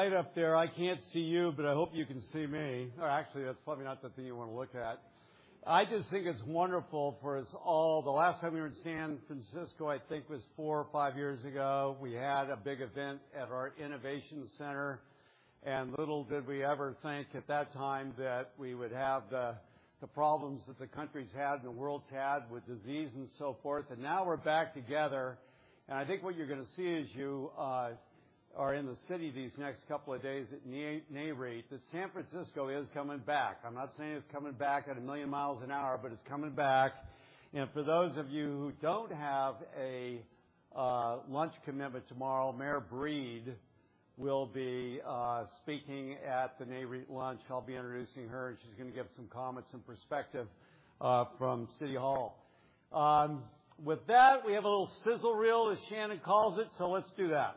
Right up there. I can't see you, but I hope you can see me. Or actually, that's probably not the thing you wanna look at. I just think it's wonderful for us all. The last time we were in San Francisco, I think, was four or five years ago. We had a big event at our innovation center, and little did we ever think at that time that we would have the problems that the country's had and the world's had with disease and so forth. Now we're back together, and I think what you're gonna see as you are in the city these next couple of days at Nareit, that San Francisco is coming back. I'm not saying it's coming back at a million miles an hour, but it's coming back. For those of you who don't have a lunch commitment tomorrow, Mayor Breed will be speaking at the Nareit lunch. I'll be introducing her, and she's gonna give some comments and perspective from City Hall. With that, we have a little sizzle reel, as Shannon calls it, so let's do that.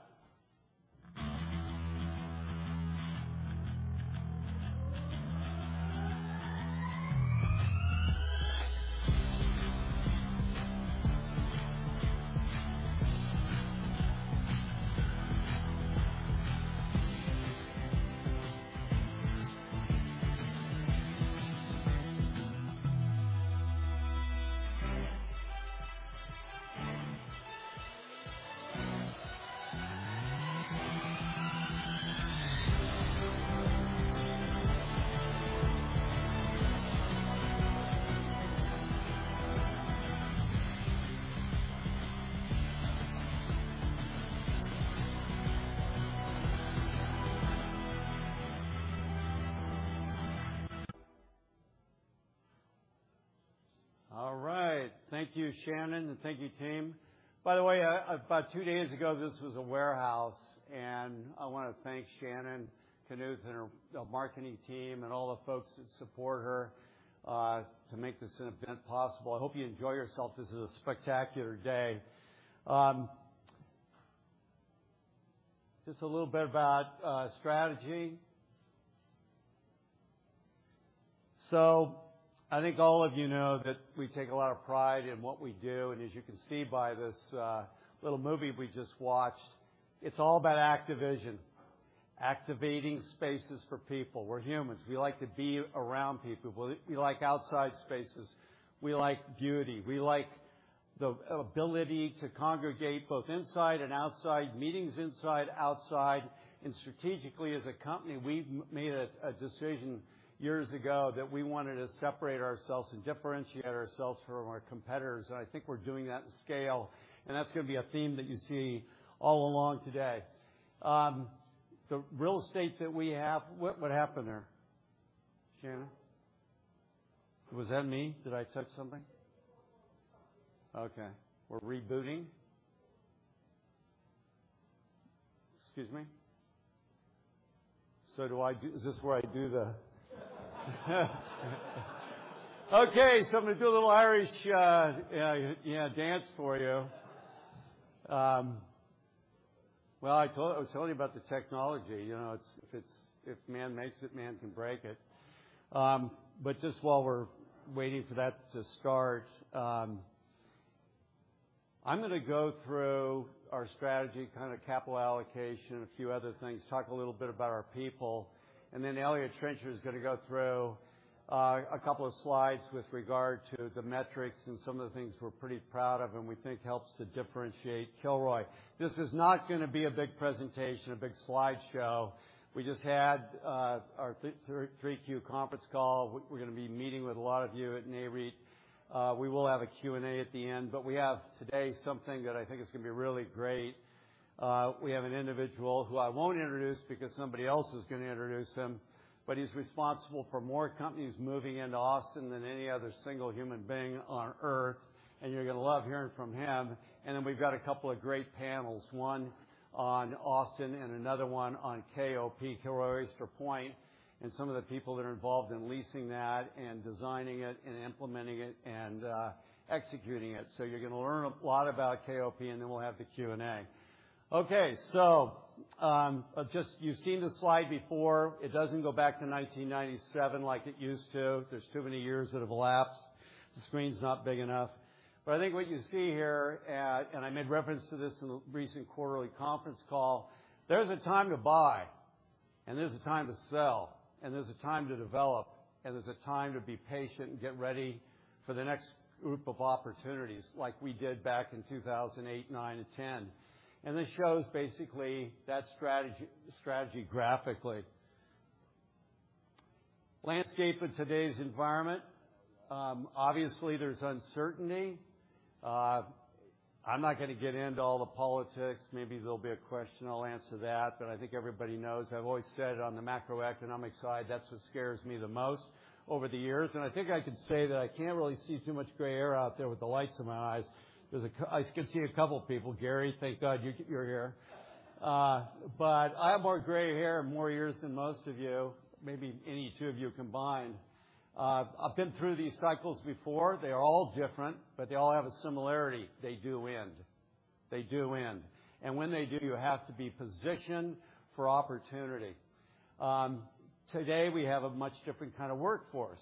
All right. Thank you, Shannon, and thank you, team. By the way, about two days ago, this was a warehouse, and I wanna thank Shannon Kanuk and her the marketing team and all the folks that support her to make this event possible. I hope you enjoy yourself. This is a spectacular day. Just a little bit about strategy. I think all of you know that we take a lot of pride in what we do, and as you can see by this, little movie we just watched, it's all about activation, activating spaces for people. We're humans. We like to be around people. We like outside spaces. We like beauty. We like the ability to congregate both inside and outside, meetings inside, outside. Strategically, as a company, we've made a decision years ago that we wanted to separate ourselves and differentiate ourselves from our competitors, and I think we're doing that in scale, and that's gonna be a theme that you see all along today. The real estate that we have. What happened there? Shannon? Was that me? Did I touch something? Okay. We're rebooting. Excuse me. Do I... Okay, so I'm gonna do a little Irish dance for you. Well, I was telling you about the technology. If man makes it, man can break it. Just while we're waiting for that to start, I'm gonna go through our strategy, kinda capital allocation and a few other things. Talk a little bit about our people. Then Eliott Trencher is gonna go through a couple of slides with regard to the metrics and some of the things we're pretty proud of and we think helps to differentiate Kilroy. This is not gonna be a big presentation, a big slideshow. We just had our 3Q conference call. We're gonna be meeting with a lot of you at Nareit. We will have a Q&A at the end. We have today something that I think is gonna be really great. We have an individual, who I won't introduce because somebody else is gonna introduce him, but he's responsible for more companies moving into Austin than any other single human being on Earth, and you're gonna love hearing from him. We've got a couple of great panels, one on Austin and another one on KOP, Kilroy Oyster Point, and some of the people that are involved in leasing that and designing it and implementing it and executing it. You're gonna learn a lot about KOP, and then we'll have the Q&A. Okay. You've seen this slide before. It doesn't go back to 1997 like it used to. There's too many years that have elapsed. The screen's not big enough. I think what you see here, and I made reference to this in a recent quarterly conference call, there's a time to buy, and there's a time to sell, and there's a time to develop, and there's a time to be patient and get ready for the next group of opportunities, like we did back in 2008, 2009, and 2010. This shows basically that strategy graphically. Landscape of today's environment, obviously there's uncertainty. I'm not gonna get into all the politics. Maybe there'll be a question, I'll answer that, but I think everybody knows, I've always said on the macroeconomic side, that's what scares me the most over the years. I think I can say that I can't really see too much gray hair out there with the lights in my eyes. I can see a couple people. Gary, thank God you're here. I have more gray hair and more years than most of you, maybe any two of you combined. I've been through these cycles before. They are all different, but they all have a similarity. They do end. When they do, you have to be positioned for opportunity. Today, we have a much different kind of workforce.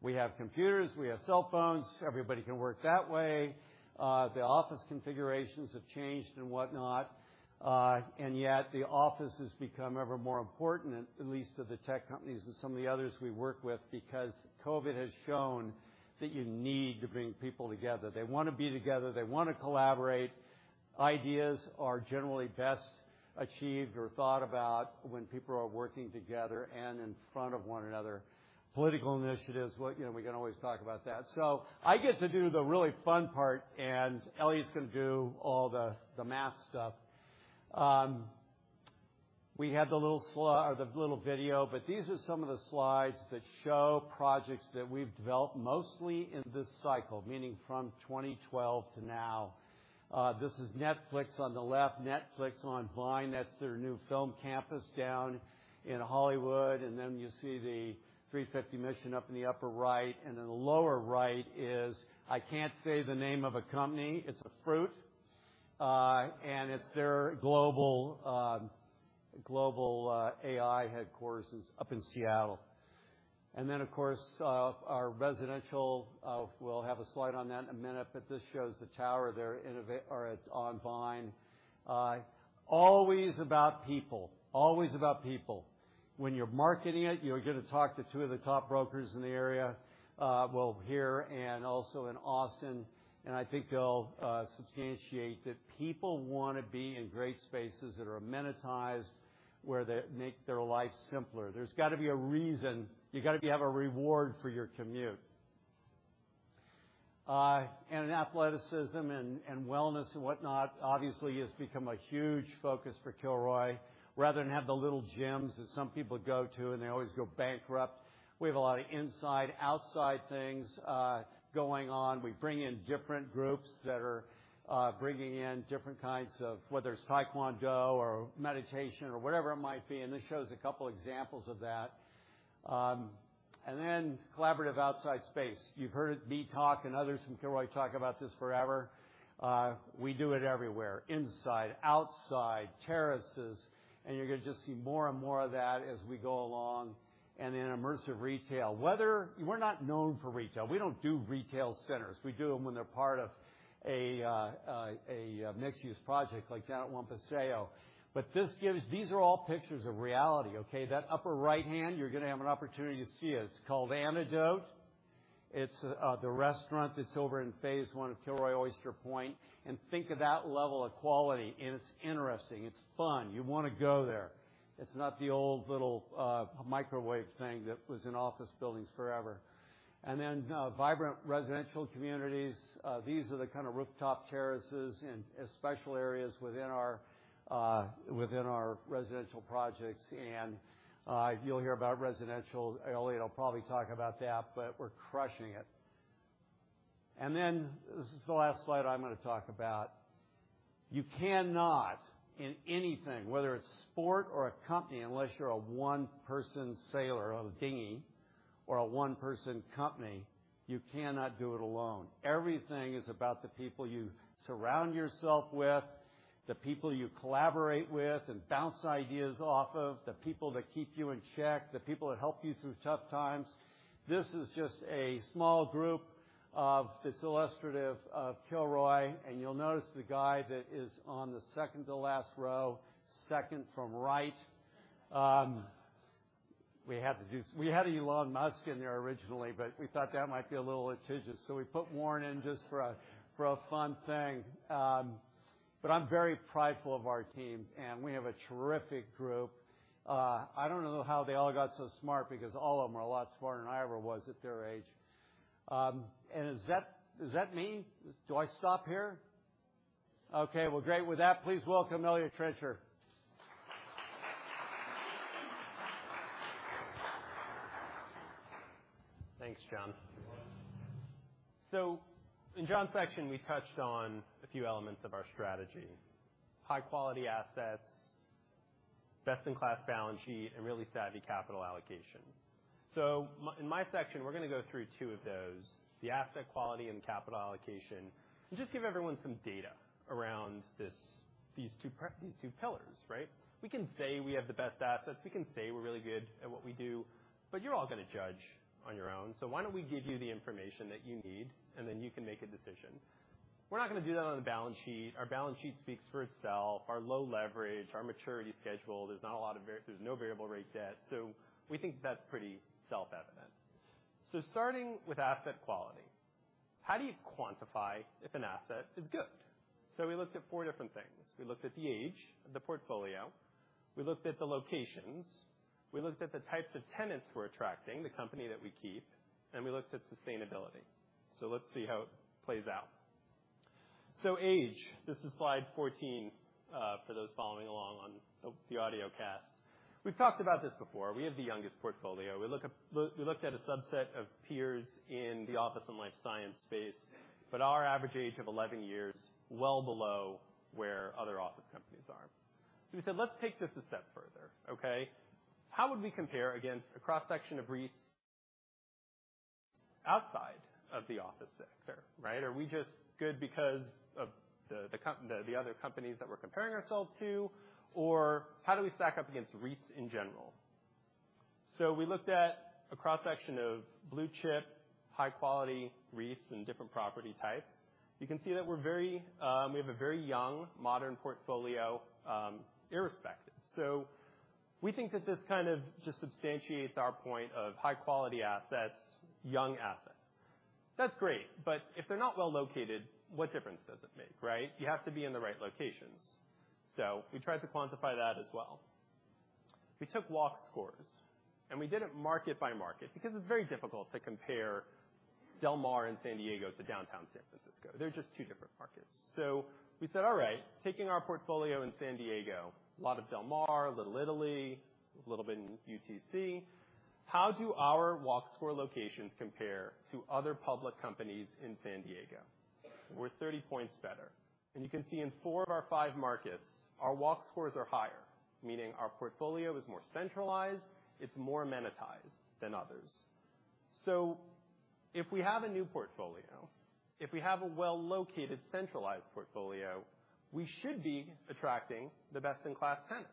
We have computers, we have cell phones, everybody can work that way. The office configurations have changed and whatnot. Yet the office has become ever more important, at least to the tech companies and some of the others we work with, because COVID has shown that you need to bring people together. They wanna be together, they wanna collaborate. Ideas are generally best achieved or thought about when people are working together and in front of one another. Political initiatives, well, you know, we can always talk about that. I get to do the really fun part, and Eliott's gonna do all the math stuff. We had the little or the little video, but these are some of the slides that show projects that we've developed mostly in this cycle, meaning from 2012 to now. This is Netflix on the left. Netflix on Vine, that's their new film campus down in Hollywood. Then you see the 350 Mission Street up in the upper right. In the lower right is, I can't say the name of a company, it's a fruit, and it's their global AI headquarters. It's up in Seattle. Of course, our residential, we'll have a slide on that in a minute, but this shows the tower there on Vine. Always about people. Always about people. When you're marketing it, you're gonna talk to two of the top brokers in the area, well, here and also in Austin. I think they'll substantiate that people wanna be in great spaces that are amenitized, where they make their life simpler. There's gotta be a reason. You gotta have a reward for your commute. Athleticism and wellness and whatnot, obviously, has become a huge focus for Kilroy. Rather than have the little gyms that some people go to, and they always go bankrupt, we have a lot of inside, outside things going on. We bring in different groups that are bringing in different kinds of whether it's taekwondo or meditation or whatever it might be, and this shows a couple examples of that. Collaborative outside space. You've heard me talk and others from Kilroy talk about this forever. We do it everywhere, inside, outside, terraces, and you're gonna just see more and more of that as we go along. Immersive retail. Whether we're not known for retail. We don't do retail centers. We do them when they're part of a mixed-use project like down at One Paseo. But this gives. These are all pictures of reality, okay? That upper right-hand, you're gonna have an opportunity to see it. It's called The Anecdote. It's the restaurant that's over in Phase 1 of Kilroy Oyster Point. Think of that level of quality, and it's interesting. It's fun. You wanna go there. It's not the old little, microwave thing that was in office buildings forever. Vibrant residential communities. These are the kinda rooftop terraces and special areas within our residential projects. You'll hear about residential. Eliott will probably talk about that, but we're crushing it. This is the last slide I'm gonna talk about. You cannot, in anything, whether it's sport or a company, unless you're a one-person sailor on a dinghy or a one-person company, you cannot do it alone. Everything is about the people you surround yourself with, the people you collaborate with and bounce ideas off of, the people that keep you in check, the people that help you through tough times. This is just a small group of. It's illustrative of Kilroy, and you'll notice the guy that is on the second to last row, second from right. We had an Elon Musk in there originally, but we thought that might be a little litigious, so we put Warren in just for a fun thing. I'm very prideful of our team, and we have a terrific group. I don't know how they all got so smart, because all of them are a lot smarter than I ever was at their age. Is that me? Do I stop here? Okay. Well, great. With that, please welcome Eliott Trencher. Thanks, John. In John's section, we touched on a few elements of our strategy. High quality assets, best-in-class balance sheet, and really savvy capital allocation. In my section, we're gonna go through two of those, the asset quality and capital allocation, and just give everyone some data around this, these two pillars, right? We can say we have the best assets. We can say we're really good at what we do. You're all gonna judge on your own, so why don't we give you the information that you need, and then you can make a decision. We're not gonna do that on the balance sheet. Our balance sheet speaks for itself. Our low leverage, our maturity schedule, there's no variable rate debt. We think that's pretty self-evident. Starting with asset quality, how do you quantify if an asset is good? We looked at four different things. We looked at the age of the portfolio, we looked at the locations, we looked at the types of tenants we're attracting, the company that we keep, and we looked at sustainability. Let's see how it plays out. Age, this is slide 14, for those following along on the audiocast. We've talked about this before. We have the youngest portfolio. We looked at a subset of peers in the office and life science space, but our average age of 11 years, well below where other office companies are. We said, let's take this a step further, okay? How would we compare against a cross-section of REITs? Outside of the office sector, right? Are we just good because of the other companies that we're comparing ourselves to? Or how do we stack up against REITs in general? We looked at a cross-section of blue chip, high-quality REITs and different property types. You can see that we're very, we have a very young modern portfolio, irrespective. We think that this kind of just substantiates our point of high-quality assets, young assets. That's great, but if they're not well located, what difference does it make, right? You have to be in the right locations. We try to quantify that as well. We took Walk Scores, and we did it market by market because it's very difficult to compare Del Mar in San Diego to downtown San Francisco. They're just two different markets. We said, "All right, taking our portfolio in San Diego, a lot of Del Mar, Little Italy, a little bit in UTC, how do our Walk Score locations compare to other public companies in San Diego?" We're 30 points better. You can see in four of our five markets, our Walk Scores are higher, meaning our portfolio is more centralized. It's more amenitized than others. If we have a new portfolio, if we have a well-located, centralized portfolio, we should be attracting the best-in-class tenants.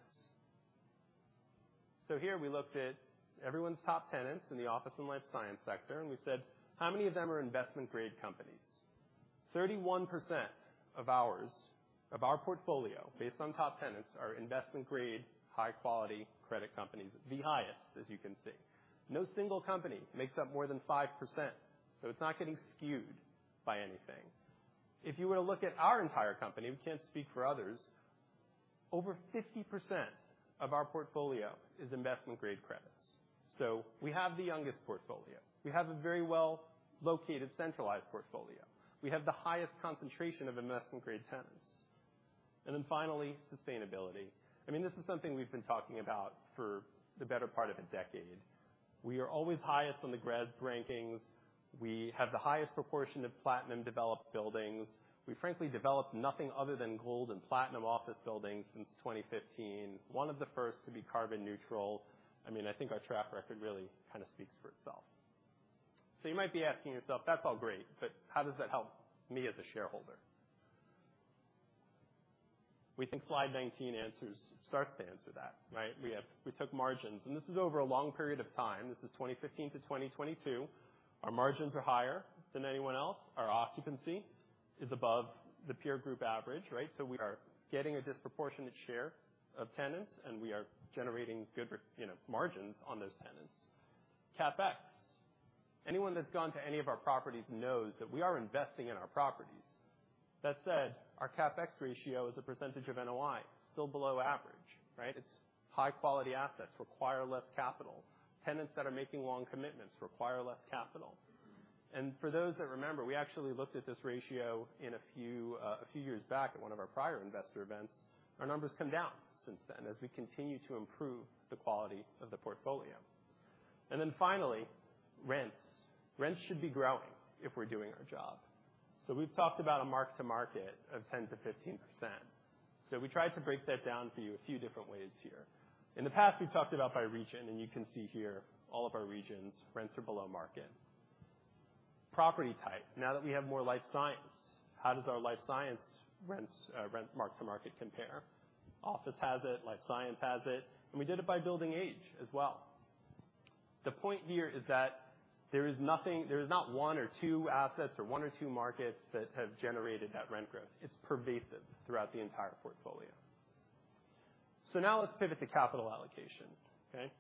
Here we looked at everyone's top tenants in the office and life science sector, and we said, "How many of them are investment-grade companies?" 31% of ours, of our portfolio, based on top tenants, are investment-grade, high-quality credit companies. The highest, as you can see. No single company makes up more than 5%, so it's not getting skewed by anything. If you were to look at our entire company, we can't speak for others. Over 50% of our portfolio is investment-grade credits. We have the youngest portfolio. We have a very well-located, centralized portfolio. We have the highest concentration of investment-grade tenants. Sustainability. I mean, this is something we've been talking about for the better part of a decade. We are always highest on the GRESB rankings. We have the highest proportion of platinum-developed buildings. We frankly developed nothing other than gold and platinum office buildings since 2015. One of the first to be carbon neutral. I mean, I think our track record really kind of speaks for itself. You might be asking yourself, "That's all great, but how does that help me as a shareholder?" We think slide 19 starts to answer that, right? We took margins, and this is over a long period of time. This is 2015 to 2022. Our margins are higher than anyone else. Our occupancy is above the peer group average, right? We are getting a disproportionate share of tenants, and we are generating good, you know, margins on those tenants. CapEx. Anyone that's gone to any of our properties knows that we are investing in our properties. That said, our CapEx ratio is a percentage of NOI, still below average, right? It's high-quality assets require less capital. Tenants that are making long commitments require less capital. For those that remember, we actually looked at this ratio in a few years back at one of our prior investor events. Our numbers come down since then as we continue to improve the quality of the portfolio. Finally, rents. Rents should be growing if we're doing our job. We've talked about a mark-to-market of 10%-15%. We tried to break that down for you a few different ways here. In the past, we've talked about by region, and you can see here all of our regions, rents are below market. Property type. Now that we have more life science, how does our life science rents, rent mark to market compare? Office has it, life science has it, and we did it by Building H as well. The point here is that there is not one or two assets or one or two markets that have generated that rent growth. It's pervasive throughout the entire portfolio. Now let's pivot to capital allocation. Okay?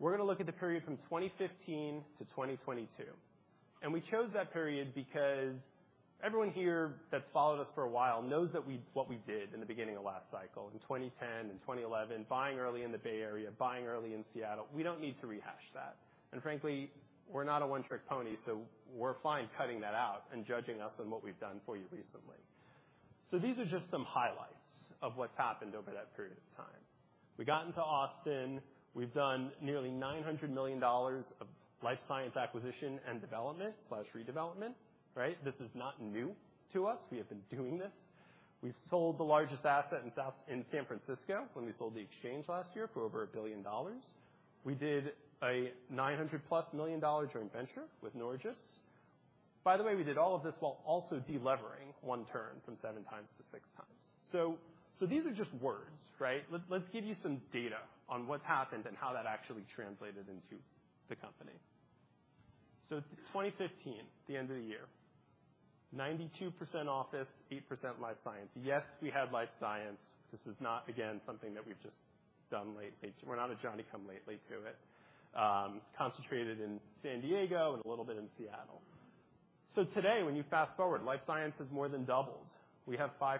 We're gonna look at the period from 2015 to 2022. We chose that period because everyone here that's followed us for a while knows that what we did in the beginning of last cycle in 2010 and 2011, buying early in the Bay Area, buying early in Seattle. We don't need to rehash that. Frankly, we're not a one-trick pony, so we're fine cutting that out and judging us on what we've done for you recently. These are just some highlights of what's happened over that period of time. We got into Austin. We've done nearly $900 million of life science acquisition and development/redevelopment, right? This is not new to us. We have been doing this. We've sold the largest asset in South San Francisco when we sold the Exchange last year for over $1 billion. We did a $900+ million joint venture with Norges. By the way, we did all of this while also de-levering 1 turn from 7x to 6x. These are just words, right? Let's give you some data on what's happened and how that actually translated into the company. 2015, the end of the year, 92% office, 8% life science. Yes, we have life science. This is not, again, something that we've just done lately. We're not a Johnny come lately to it, concentrated in San Diego and a little bit in Seattle. Today, when you fast-forward, life science has more than doubled. We have 5%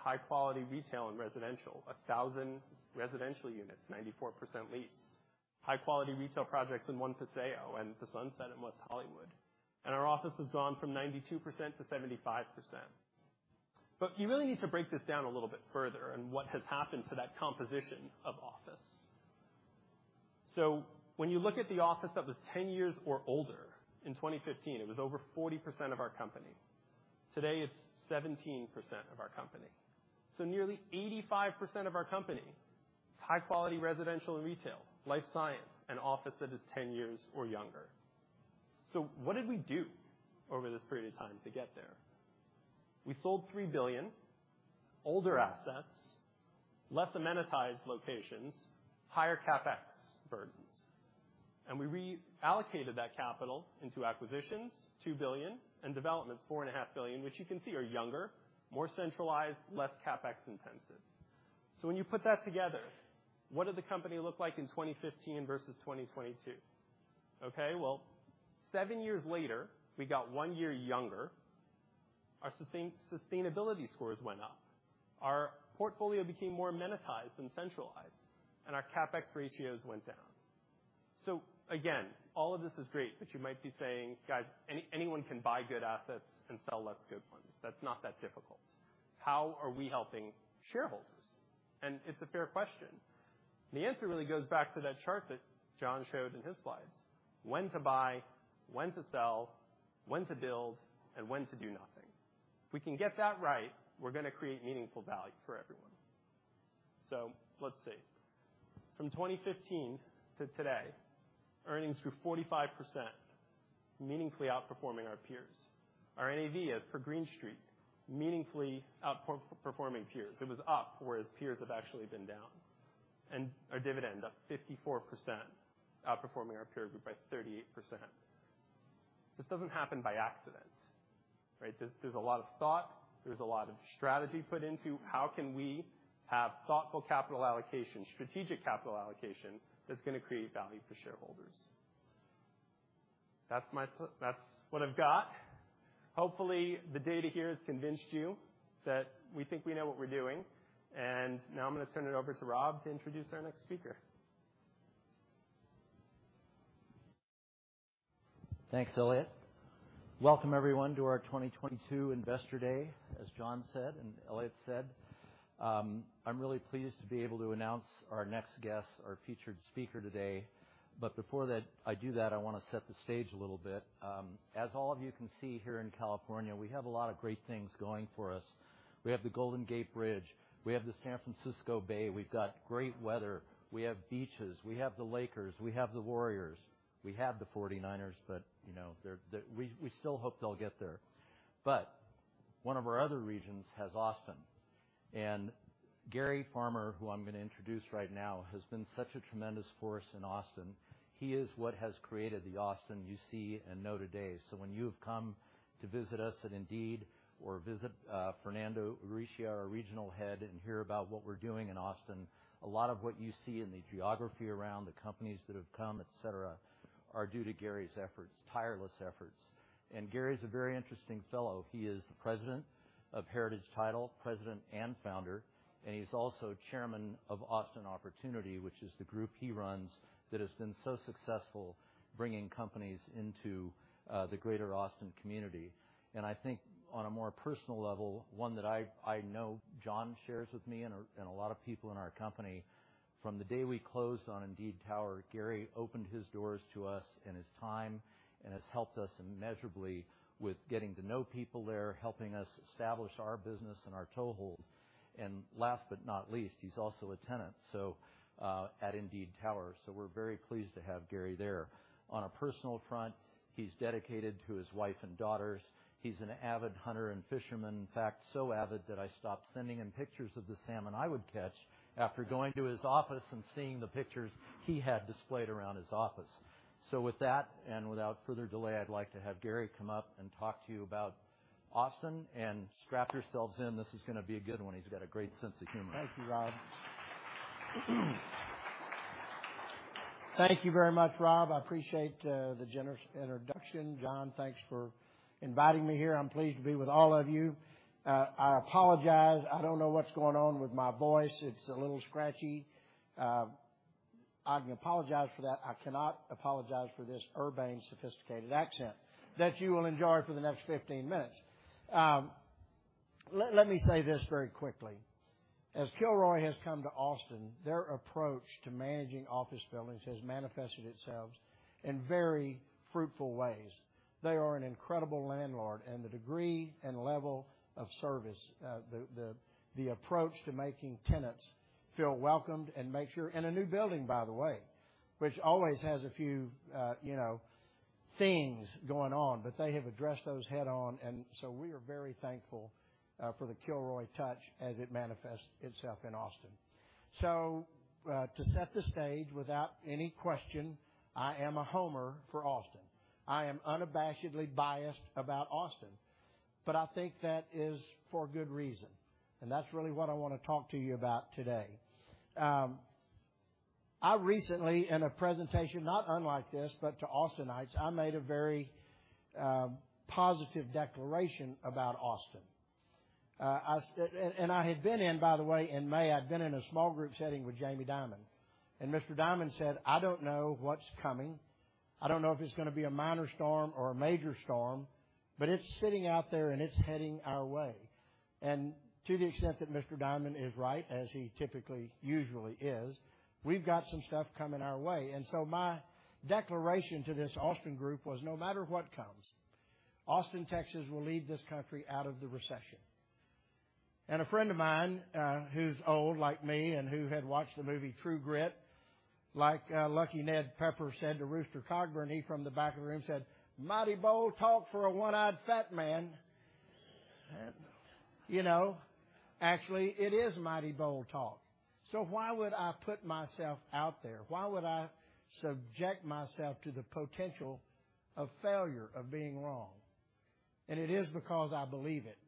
high quality retail and residential. 1,000 residential units, 94% leased. High quality retail projects in One Paseo and The Sunset at West Hollywood. Our office has gone from 92% to 75%. You really need to break this down a little bit further on what has happened to that composition of office. When you look at the office that was 10 years or older in 2015, it was over 40% of our company. Today, it's 17% of our company. Nearly 85% of our company high quality residential and retail, life science, and office that is 10 years or younger. What did we do over this period of time to get there? We sold $3 billion older assets, less amenitized locations, higher CapEx burdens, and we reallocated that capital into acquisitions, $2 billion, and developments, $4.5 billion, which you can see are younger, more centralized, less CapEx intensive. When you put that together, what did the company look like in 2015 versus 2022? Okay, well, seven years later, we got one year younger. Our sustainability scores went up. Our portfolio became more amenitized and centralized, and our CapEx ratios went down. All of this is great, but you might be saying, "Guys, anyone can buy good assets and sell less good ones. That's not that difficult. How are we helping shareholders?" It's a fair question. The answer really goes back to that chart that John showed in his slides. When to buy, when to sell, when to build, and when to do nothing. If we can get that right, we're gonna create meaningful value for everyone. Let's see. From 2015 to today, earnings grew 45%, meaningfully outperforming our peers. Our NAV for Green Street meaningfully outperforming peers. It was up, whereas peers have actually been down. Our dividend up 54%, outperforming our peer group by 38%. This doesn't happen by accident, right? There's a lot of thought. There's a lot of strategy put into how can we have thoughtful capital allocation, strategic capital allocation, that's gonna create value for shareholders. That's what I've got. Hopefully, the data here has convinced you that we think we know what we're doing, and now I'm gonna turn it over to Rob Parrott to introduce our next speaker. Thanks, Eliott. Welcome everyone to our 2022 Investor Day. As John said, and Eliott said, I'm really pleased to be able to announce our next guest, our featured speaker today. Before I do that, I wanna set the stage a little bit. As all of you can see here in California, we have a lot of great things going for us. We have the Golden Gate Bridge. We have the San Francisco Bay. We've got great weather. We have beaches. We have the Lakers. We have the Warriors. We have the 49ers, but, you know, they're. We still hope they'll get there. One of our other regions has Austin. And Gary Farmer, who I'm gonna introduce right now, has been such a tremendous force in Austin. He is what has created the Austin you see and know today. When you have come to visit us at Indeed or visit Fernando Urrutia, our regional head, and hear about what we're doing in Austin, a lot of what you see in the geography around, the companies that have come, et cetera, are due to Gary's efforts, tireless efforts. Gary's a very interesting fellow. He is the President of Heritage Title, President and Founder, and he's also Chairman of Opportunity Austin, which is the group he runs that has been so successful bringing companies into the greater Austin community. I think on a more personal level, one that I know John shares with me and a lot of people in our company, from the day we closed on Indeed Tower, Gary opened his doors to us and his time and has helped us immeasurably with getting to know people there, helping us establish our business and our toehold. Last but not least, he's also a tenant at Indeed Tower. We're very pleased to have Gary there. On a personal front, he's dedicated to his wife and daughters. He's an avid hunter and fisherman. In fact, so avid that I stopped sending him pictures of the salmon I would catch after going to his office and seeing the pictures he had displayed around his office. With that, and without further delay, I'd like to have Gary come up and talk to you about Austin, and strap yourselves in. This is gonna be a good one. He's got a great sense of humor. Thank you, Rob. Thank you very much, Rob. I appreciate the generous introduction. John, thanks for inviting me here. I'm pleased to be with all of you. I apologize. I don't know what's going on with my voice. It's a little scratchy. I can apologize for that. I cannot apologize for this urbane, sophisticated accent that you will enjoy for the next 15 minutes. Let me say this very quickly. As Kilroy has come to Austin, their approach to managing office buildings has manifested itself in very fruitful ways. They are an incredible landlord, and the degree and level of service, the approach to making tenants feel welcomed and make sure. In a new building, by the way, which always has a few, you know, things going on, but they have addressed those head-on. We are very thankful for the Kilroy touch as it manifests itself in Austin. To set the stage, without any question, I am a homer for Austin. I am unabashedly biased about Austin, but I think that is for good reason. That's really what I wanna talk to you about today. I recently, in a presentation not unlike this, but to Austinites, I made a very positive declaration about Austin. I had been in, by the way, in May, I'd been in a small group setting with Jamie Dimon. Mr. Dimon said, "I don't know what's coming. I don't know if it's gonna be a minor storm or a major storm, but it's sitting out there, and it's heading our way." To the extent that Mr. Dimon is right, as he typically, usually is. We've got some stuff coming our way. My declaration to this Austin group was, "No matter what comes, Austin, Texas will lead this country out of the recession." A friend of mine, who's old like me and who had watched the movie True Grit, like, Lucky Ned Pepper said to Rooster Cogburn, he, from the back of the room, said, "Mighty bold talk for a one-eyed fat man." You know, actually, it is mighty bold talk. Why would I put myself out there? Why would I subject myself to the potential of failure, of being wrong? It is because I believe it,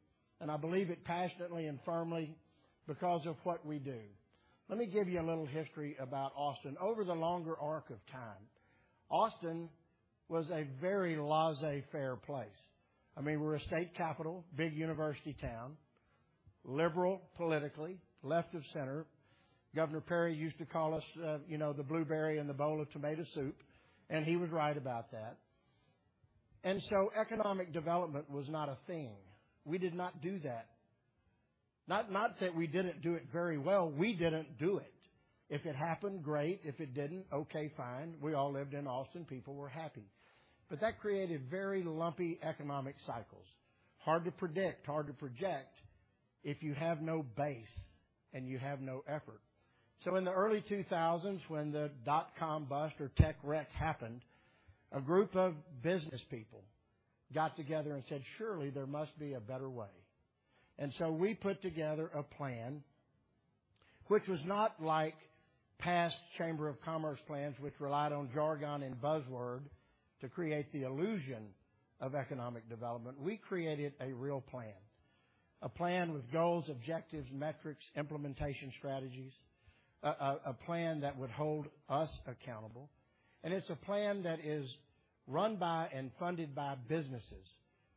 and I believe it passionately and firmly because of what we do. Let me give you a little history about Austin. Over the longer arc of time, Austin was a very laissez-faire place. I mean, we're a state capital, big university town, liberal politically, left of center. Governor Perry used to call us the blueberry in the bowl of tomato soup, and he was right about that. Economic development was not a thing. We did not do that. Not that we didn't do it very well. We didn't do it. If it happened, great. If it didn't, okay, fine. We all lived in Austin. People were happy. That created very lumpy economic cycles. Hard to predict, hard to project if you have no base and you have no effort. In the early 2000s, when the dot-com bust or tech wreck happened, a group of business people got together and said, "Surely there must be a better way." We put together a plan which was not like past chamber of commerce plans, which relied on jargon and buzzword to create the illusion of economic development. We created a real plan, a plan with goals, objectives, metrics, implementation strategies, a plan that would hold us accountable. It's a plan that is run by and funded by businesses.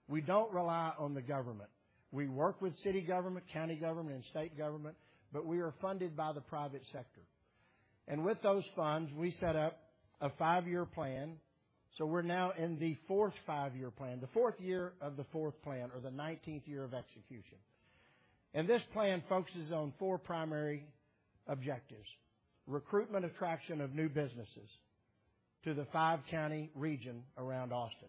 We don't rely on the government. We work with city government, county government, and state government, but we are funded by the private sector. With those funds, we set up a five-year plan, so we're now in the fourth five-year plan, the fourth year of the fourth plan or the nineteenth year of execution. This plan focuses on four primary objectives: recruitment, attraction of new businesses to the five-county region around Austin,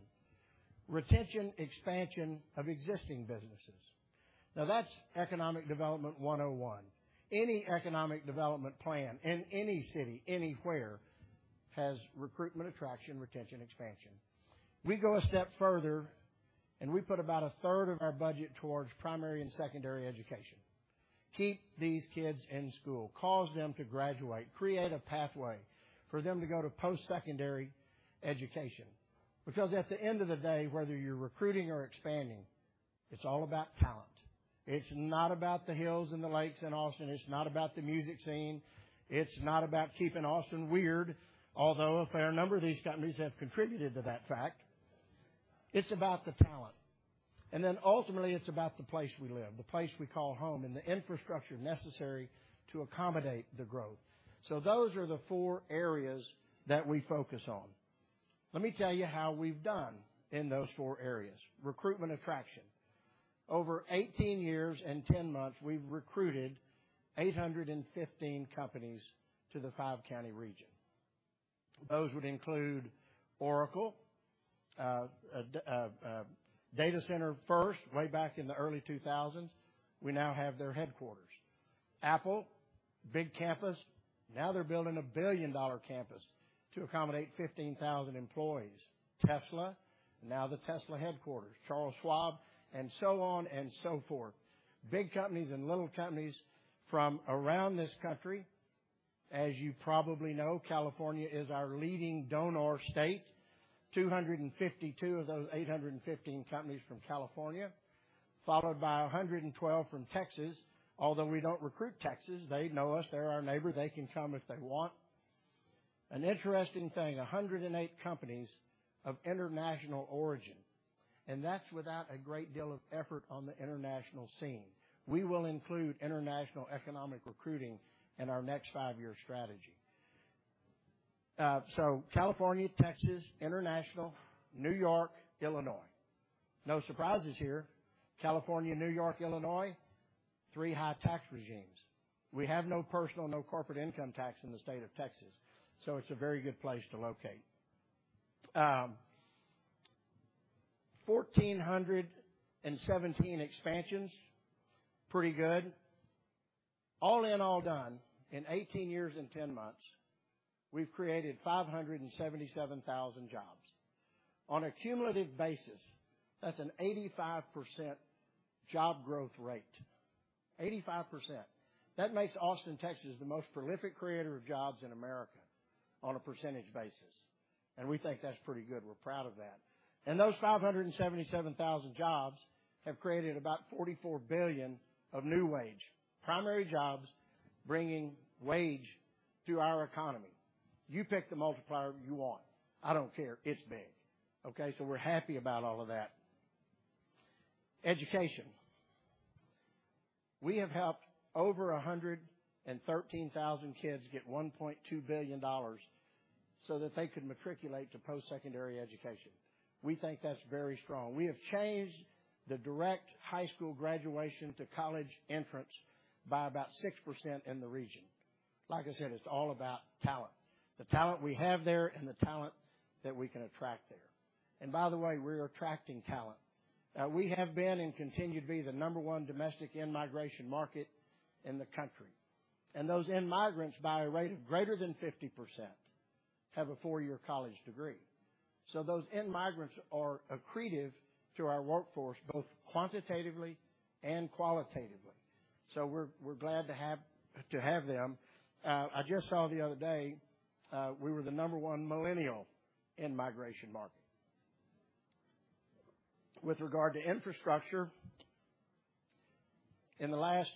retention, expansion of existing businesses. Now, that's economic development 101. Any economic development plan in any city, anywhere, has recruitment, attraction, retention, expansion. We go a step further, and we put about a third of our budget towards primary and secondary education. Keep these kids in school, cause them to graduate, create a pathway for them to go to post-secondary education. Because at the end of the day, whether you're recruiting or expanding, it's all about talent. It's not about the hills and the lakes in Austin. It's not about the music scene. It's not about keeping Austin weird, although a fair number of these companies have contributed to that fact. It's about the talent. Ultimately, it's about the place we live, the place we call home, and the infrastructure necessary to accommodate the growth. Those are the four areas that we focus on. Let me tell you how we've done in those four areas. Recruitment attraction. Over 18 years and 10 months, we've recruited 815 companies to the five-county region. Those would include Oracle, data center first way back in the early 2000s. We now have their headquarters. Apple, big campus. Now they're building a billion-dollar campus to accommodate 15,000 employees. Tesla, now the Tesla headquarters, Charles Schwab, and so on and so forth. Big companies and little companies from around this country. As you probably know, California is our leading donor state. 252 of those 815 companies from California, followed by 112 from Texas. Although we don't recruit Texas, they know us. They're our neighbor. They can come if they want. An interesting thing, 108 companies of international origin, and that's without a great deal of effort on the international scene. We will include international economic recruiting in our next five-year strategy. So California, Texas, International, New York, Illinois. No surprises here. California, New York, Illinois, three high tax regimes. We have no personal, no corporate income tax in the state of Texas, so it's a very good place to locate. 1,417 expansions. Pretty good. All in, all done. In 18 years and 10 months, we've created 577,000 jobs. On a cumulative basis, that's an 85% job growth rate. 85%. That makes Austin, Texas, the most prolific creator of jobs in America on a percentage basis. We think that's pretty good. We're proud of that. Those 577,000 jobs have created about $44 billion of new wage, primary jobs bringing wage to our economy. You pick the multiplier you want. I don't care. It's big. Okay. We're happy about all of that. Education. We have helped over 113,000 kids get $1.2 billion so that they can matriculate to post-secondary education. We think that's very strong. We have changed the direct high school graduation to college entrance by about 6% in the region. Like I said, it's all about talent, the talent we have there and the talent that we can attract there. By the way, we're attracting talent. We have been and continue to be the number one domestic in-migration market in the country. Those in-migrants, by a rate of greater than 50%, have a four-year college degree. Those in-migrants are accretive to our workforce, both quantitatively and qualitatively. We're glad to have them. I just saw the other day, we were the number one millennial in-migration market. With regard to infrastructure, in the last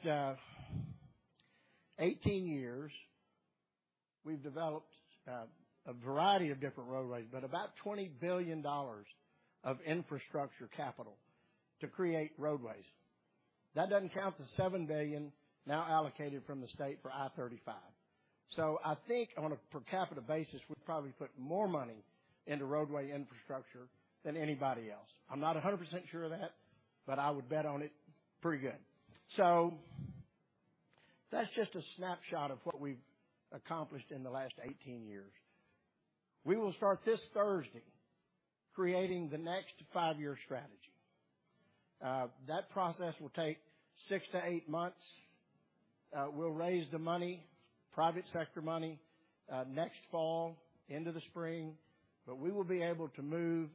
18 years, we've developed a variety of different roadways, but about $20 billion of infrastructure capital to create roadways. That doesn't count the $7 billion now allocated from the state for I-35. I think on a per capita basis, we've probably put more money into roadway infrastructure than anybody else. I'm not 100% sure of that, but I would bet on it pretty good. That's just a snapshot of what we've accomplished in the last 18 years. We will start this Thursday creating the next five-year strategy. That process will take six to eight months. We'll raise the money, private sector money, next fall into the spring, but we will be able to move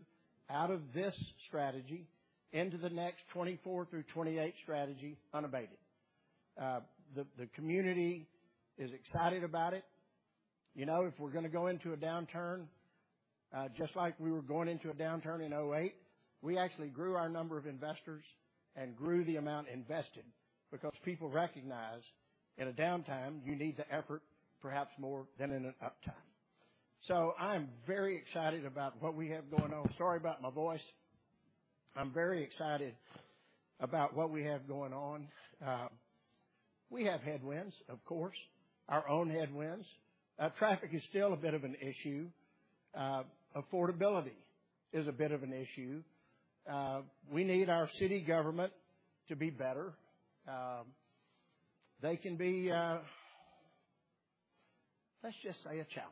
out of this strategy into the next 2024 through 2028 strategy unabated. The community is excited about it. You know, if we're gonna go into a downturn, just like we were going into a downturn in 2008, we actually grew our number of investors and grew the amount invested because people recognize in a downtime you need the effort perhaps more than in an uptime. I am very excited about what we have going on. Sorry about my voice. I'm very excited about what we have going on. We have headwinds, of course, our own headwinds. Traffic is still a bit of an issue. Affordability is a bit of an issue. We need our city government to be better. They can be, let's just say a challenge.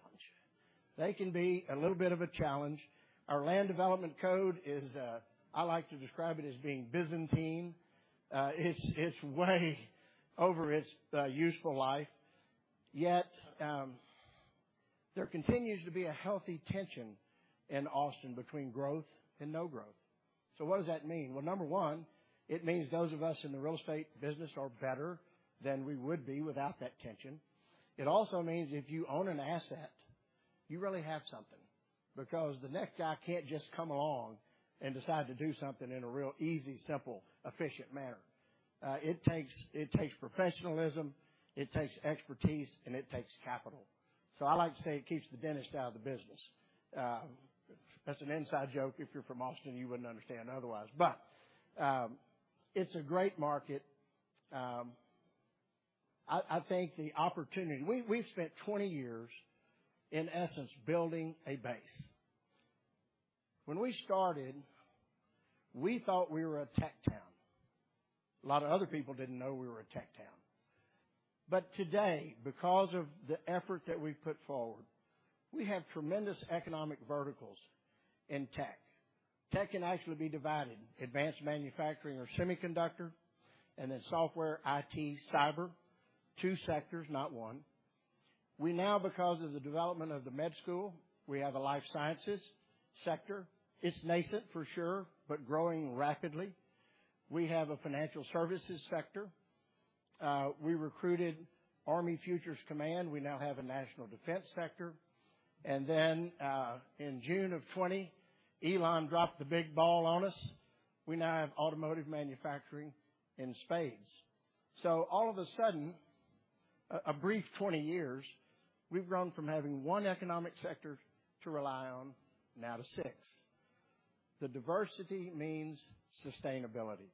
They can be a little bit of a challenge. Our land development code is, I like to describe it as being Byzantine. It's way over its useful life, yet there continues to be a healthy tension in Austin between growth and no growth. What does that mean? Number one, it means those of us in the real estate business are better than we would be without that tension. It also means if you own an asset, you really have something because the next guy can't just come along and decide to do something in a real easy, simple, efficient manner. It takes professionalism, it takes expertise, and it takes capital. I like to say it keeps the dentist out of the business. That's an inside joke. If you're from Austin, you wouldn't understand otherwise. It's a great market. I think the opportunity. We've spent 20 years, in essence, building a base. When we started, we thought we were a tech town. A lot of other people didn't know we were a tech town. Today, because of the effort that we've put forward, we have tremendous economic verticals in tech. Tech can actually be divided, advanced manufacturing or semiconductor, and then software, IT, cyber. Two sectors, not one. We now, because of the development of the med school, have a life sciences sector. It's nascent for sure, but growing rapidly. We have a financial services sector. We recruited U.S. Army Futures Command. We now have a national defense sector. In June of 2020, Elon dropped the big bomb on us. We now have automotive manufacturing in spades. All of a sudden, a brief 20 years, we've grown from having one economic sector to rely on now to six. The diversity means sustainability.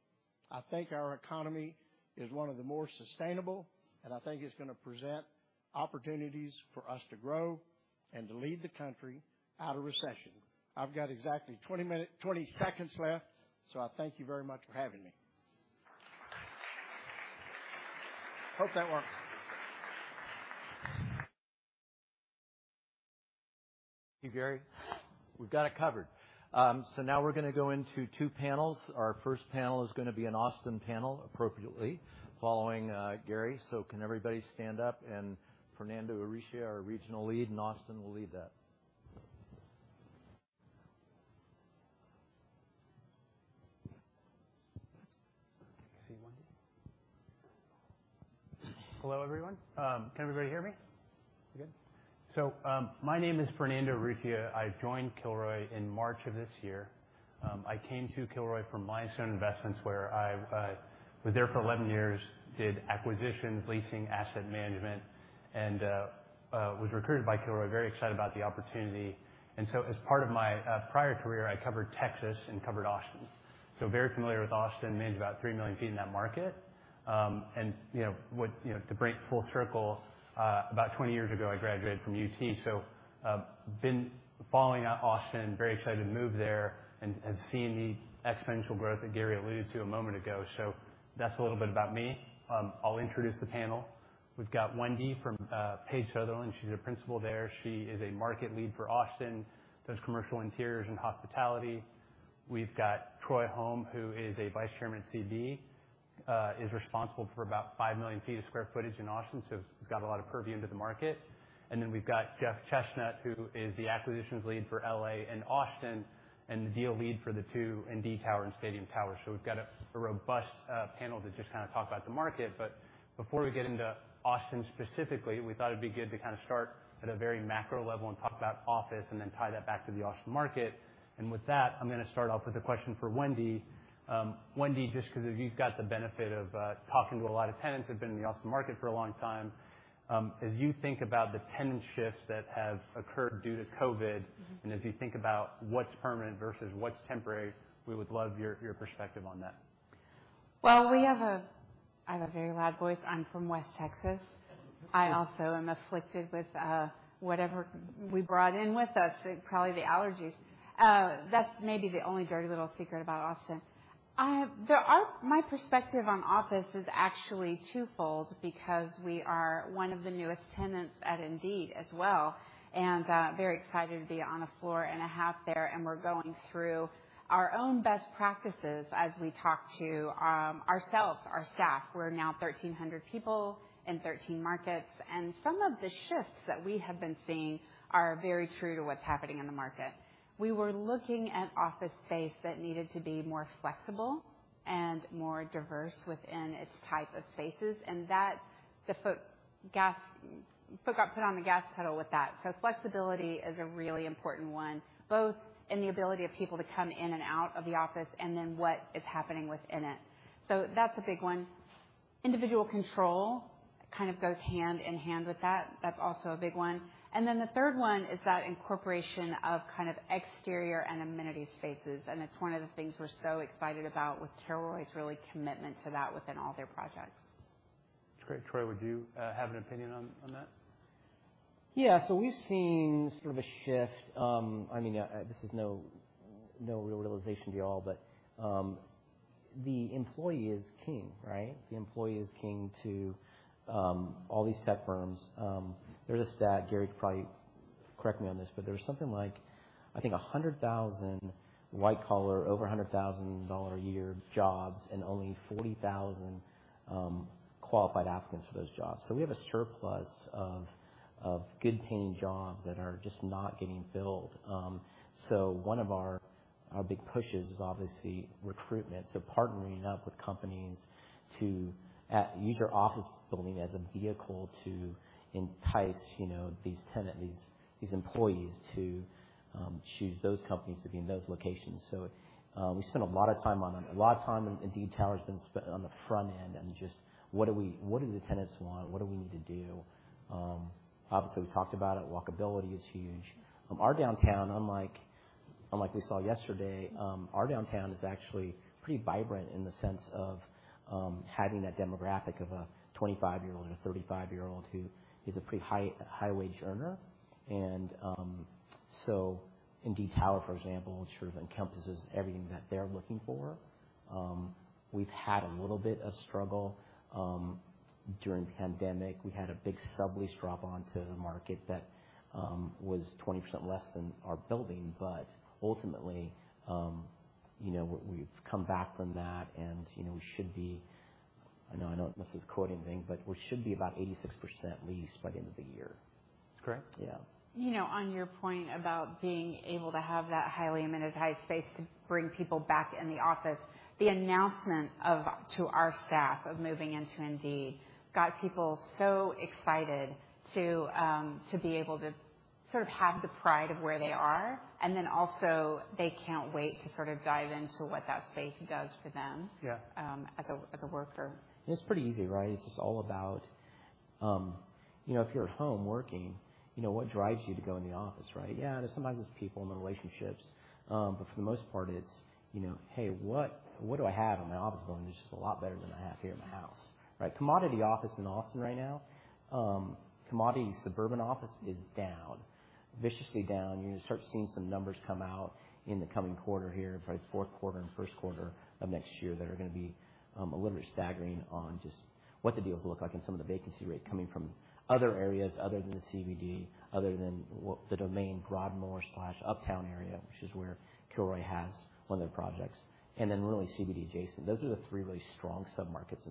I think our economy is one of the more sustainable, and I think it's gonna present opportunities for us to grow and to lead the country out of recession. I've got exactly 20 seconds left, so I thank you very much for having me. Hope that worked. Thank you, Gary. We've got it covered. Now we're gonna go into two panels. Our first panel is gonna be an Austin panel, appropriately, following Gary. Can everybody stand up? Fernando Urrutia, our regional lead in Austin, will lead that. Can you see me? Hello, everyone. Can everybody hear me? Good. My name is Fernando Urrutia. I joined Kilroy in March of this year. I came to Kilroy from Milestone Investments, where I was there for 11 years, did acquisitions, leasing, asset management, and was recruited by Kilroy. Very excited about the opportunity. As part of my prior career, I covered Texas and covered Austin, so very familiar with Austin. Managed about 3 million sq ft in that market. You know what, you know, to bring it full circle, about 20 years ago, I graduated from UT. Been following Austin, very excited to move there and seeing the exponential growth that Gary alluded to a moment ago. That's a little bit about me. I'll introduce the panel. We've got Wendy from Page Southerland Page. She's a principal there. She is a market lead for Austin, does commercial interiors and hospitality. We've got Troy Holme, who is a vice chairman at CBRE, is responsible for about 5 million sq ft in Austin. He's got a lot of purview into the market. Then we've got Jeff Chestnut, who is the acquisitions lead for LA and Austin and the deal lead for the two, Indeed Tower and Stadium Tower. We've got a robust panel to just kind of talk about the market. Before we get into Austin specifically, we thought it'd be good to kind of start at a very macro level and talk about office and then tie that back to the Austin market. With that, I'm gonna start off with a question for Wendy. Wendy, just 'cause you've got the benefit of talking to a lot of tenants who have been in the Austin market for a long time, as you think about the tenant shifts that have occurred due to COVID. Mm-hmm. As you think about what's permanent versus what's temporary, we would love your perspective on that. Well, I have a very loud voice. I'm from West Texas. I also am afflicted with whatever we brought in with us, probably the allergies. That's maybe the only dirty little secret about Austin. My perspective on office is actually twofold because we are one of the newest tenants at Indeed as well, and very excited to be on a floor and a half there, and we're going through our own best practices as we talk to ourselves, our staff. We're now 1,300 people in 13 markets, and some of the shifts that we have been seeing are very true to what's happening in the market. We were looking at office space that needed to be more flexible and more diverse within its type of spaces, and that the foot got put on the gas pedal with that. Flexibility is a really important one, both in the ability of people to come in and out of the office and then what is happening within it. That's a big one. Individual control kind of goes hand in hand with that. That's also a big one. The third one is that incorporation of kind of exterior and amenity spaces, and it's one of the things we're so excited about with Kilroy's real commitment to that within all their projects. That's great. Troy, would you have an opinion on that? Yeah. We've seen sort of a shift. I mean, this is no real realization to y'all, but the employee is king, right? The employee is king to all these tech firms. There's a stat. Gary could probably correct me on this, but there was something like, I think 100,000 white collar, over $100,000-a-year jobs and only 40,000 qualified applicants for those jobs. We have a surplus of good paying jobs that are just not getting filled. One of our big pushes is obviously recruitment, partnering up with companies to use your office building as a vehicle to entice, you know, these tenants, these employees to choose those companies to be in those locations. We spend a lot of time on it. A lot of time in Indeed Tower has been spent on the front end and just what do the tenants want? What do we need to do? Obviously we talked about it. Walkability is huge. Our downtown, unlike we saw yesterday, our downtown is actually pretty vibrant in the sense of having that demographic of a 25-year-old and a 35-year-old who is a pretty high wage earner. So Indeed Tower, for example, sort of encompasses everything that they're looking for. We've had a little bit of struggle during the pandemic. We had a big sublease drop onto the market that was 20% less than our building, but ultimately, you know, we've come back from that and, you know, we should be, I know I don't know if this is a quote or anything, but we should be about 86% leased by the end of the year. That's correct. Yeah. You know, on your point about being able to have that highly amenitized space to bring people back in the office, the announcement to our staff of moving into Indeed got people so excited to be able to sort of have the pride of where they are. Also they can't wait to sort of dive into what that space does for them. Yeah. as a worker. It's pretty easy, right? It's just all about, you know, if you're at home working, you know, what drives you to go in the office, right? Yeah, sometimes it's people and the relationships. For the most part it's, you know, hey, what do I have in my office building that's just a lot better than what I have here in my house, right? Commodity office in Austin right now, commodity suburban office is down, viciously down. You're gonna start seeing some numbers come out in the coming quarter here, probably fourth quarter and first quarter of next year, that are gonna be a little bit staggering on just what the deals look like and some of the vacancy rate coming from other areas other than the CBD, other than the Domain Broadmoor/Uptown area, which is where Kilroy has one of their projects, and then really CBD adjacent. Those are the three really strong submarkets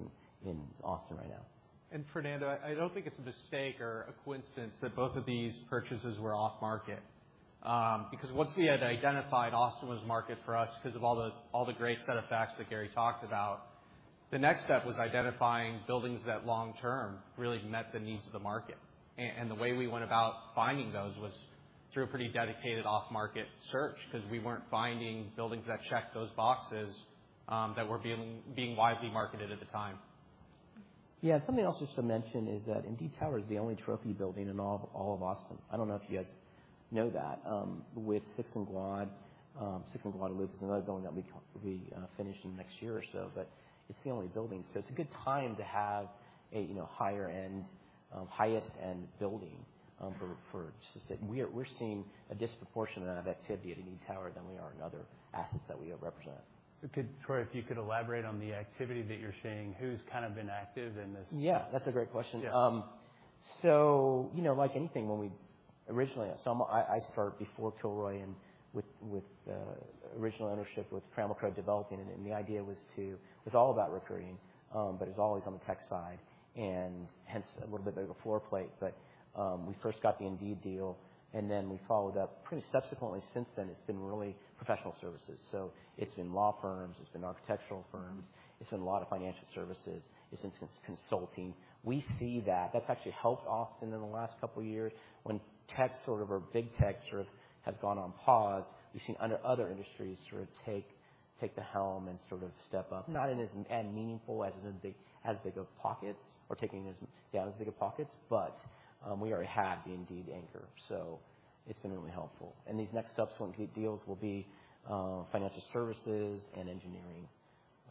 in Austin right now. Fernando, I don't think it's a mistake or a coincidence that both of these purchases were off market. Because once we had identified Austin was market for us 'cause of all the great set of facts that Gary talked about, the next step was identifying buildings that long term really met the needs of the market. And the way we went about finding those was through a pretty dedicated off market search 'cause we weren't finding buildings that checked those boxes, that were being widely marketed at the time. Yeah. Something else just to mention is that Indeed Tower is the only trophy building in all of Austin. I don't know if you guys know that. Sixth and Guadalupe is another building that we finished in the next year or so, but it's the only building. It's a good time to have a, you know, higher end, highest end building, for just to say. We're seeing a disproportionate amount of activity at Indeed Tower than we are in other assets that we represent. Troy, if you could elaborate on the activity that you're seeing. Who's kind of been active in this? Yeah, that's a great question. Yeah. You know, like anything, I started before Kilroy and with original ownership, with Trammell Crow developing it, and the idea was all about recruiting, but it was always on the tech side and hence a little bit bigger floor plate. We first got the Indeed deal, and then we followed up. Pretty subsequently since then, it's been really professional services. It's been law firms, it's been architectural firms, it's been a lot of financial services, it's consulting. We see that. That's actually helped Austin in the last couple of years when tech sort of or big tech sort of has gone on pause. We've seen other industries sort of take the helm and sort of step up, not as meaningful as big of pockets or taking as big of pockets. We already have the Indeed anchor, so it's been really helpful. These next subsequent deals will be financial services and engineering.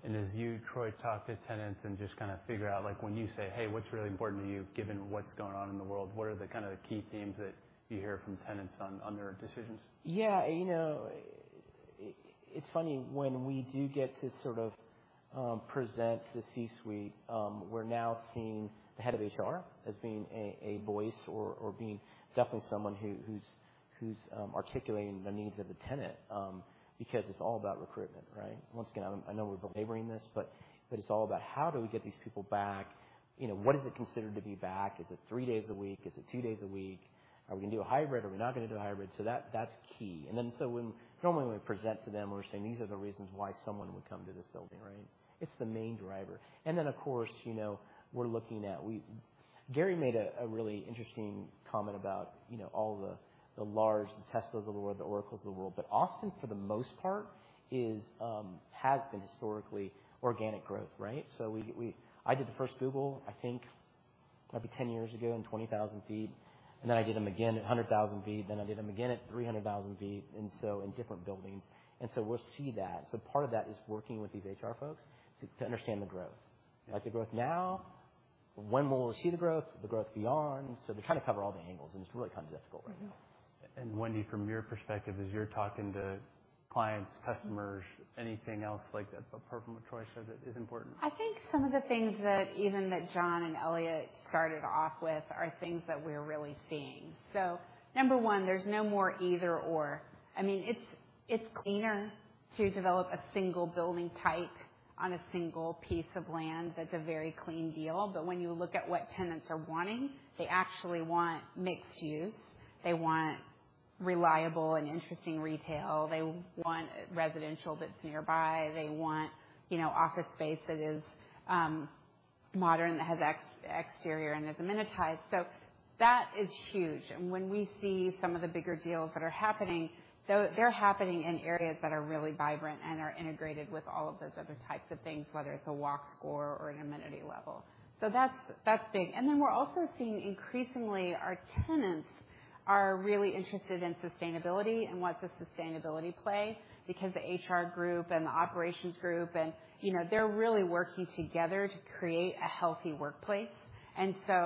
As you, Troy, talk to tenants and just kind of figure out, like when you say, "Hey, what's really important to you given what's going on in the world?" What are the kind of the key themes that you hear from tenants on their decisions? Yeah. You know, it's funny, when we do get to sort of present to C-suite, we're now seeing the head of HR as being a voice or being definitely someone who's articulating the needs of the tenant, because it's all about recruitment, right? Once again, I know we're belaboring this, but it's all about how do we get these people back? You know, what is it considered to be back? Is it three days a week? Is it two days a week? Are we gonna do a hybrid? Are we not gonna do a hybrid? That's key. When normally when we present to them, we're saying these are the reasons why someone would come to this building, right? It's the main driver. Of course, you know, we're looking at, we. Gary made a really interesting comment about you know all the large Teslas of the world the Oracles of the world. Austin for the most part has been historically organic growth right? I did the first Google I think maybe 10 years ago in 20,000 sq ft and then I did them again at 100,000 sq ft. I did them again at 300,000 sq ft and so in different buildings. We'll see that. Part of that is working with these HR folks to understand the growth. You like the growth now when will we see the growth beyond? They kind of cover all the angles and it's really kind of difficult right now. Wendy, from your perspective, as you're talking to clients, customers, anything else like that apart from what Troy said that is important? I think some of the things that even that John and Eliott started off with are things that we're really seeing. Number one, there's no more either/or. I mean, it's cleaner to develop a single building type on a single piece of land. That's a very clean deal. But when you look at what tenants are wanting, they actually want mixed-use. They want reliable and interesting retail. They want residential that's nearby. They want, you know, office space that is modern, that has exterior and is amenitized. That is huge. When we see some of the bigger deals that are happening, though they're happening in areas that are really vibrant and are integrated with all of those other types of things, whether it's a Walk Score or an amenity level. That's big. We're also seeing increasingly our tenants are really interested in sustainability and what does sustainability play, because the HR group and the operations group and, you know, they're really working together to create a healthy workplace.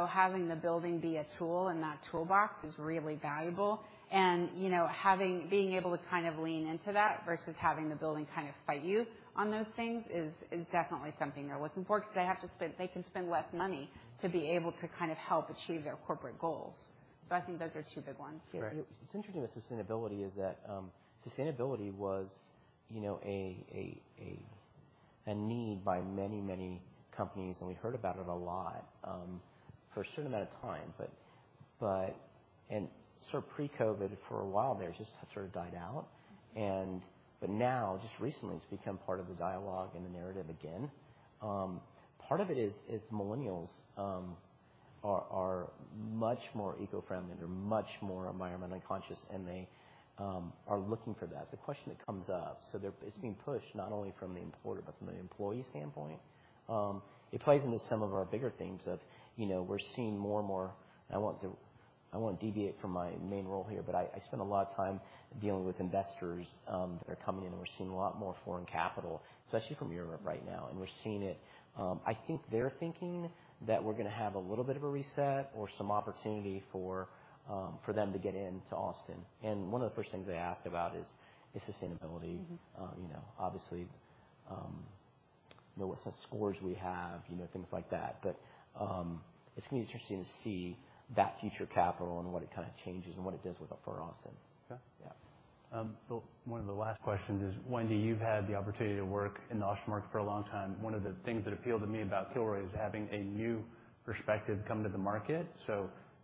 Having the building be a tool in that toolbox is really valuable. You know, having being able to kind of lean into that versus having the building kind of fight you on those things is definitely something they're looking for, because they have to spend, they can spend less money to be able to kind of help achieve their corporate goals. I think those are two big ones. Right. What's interesting with sustainability is that, sustainability was, you know, a need by many, many companies, and we heard about it a lot, for a certain amount of time. Sort of pre-COVID for a while there, it just sort of died out. Now, just recently, it's become part of the dialogue and the narrative again. Part of it is millennials are much more eco-friendly. They're much more environmentally conscious, and they are looking for that. The question that comes up, so they're, it's being pushed not only from the employer, but from the employee standpoint. It plays into some of our bigger themes of, you know, we're seeing more and more. I won't deviate from my main role here, but I spend a lot of time dealing with investors that are coming in, and we're seeing a lot more foreign capital, especially from Europe right now, and we're seeing it. I think they're thinking that we're gonna have a little bit of a reset or some opportunity for them to get into Austin. One of the first things they ask about is sustainability. Mm-hmm. You know, obviously, you know, what sort of scores we have, you know, things like that. It's gonna be interesting to see that future capital and what it kind of changes and what it does with for Austin. Okay. Yeah. One of the last questions is, Wendy, you've had the opportunity to work in the Austin market for a long time. One of the things that appealed to me about Kilroy is having a new perspective come to the market.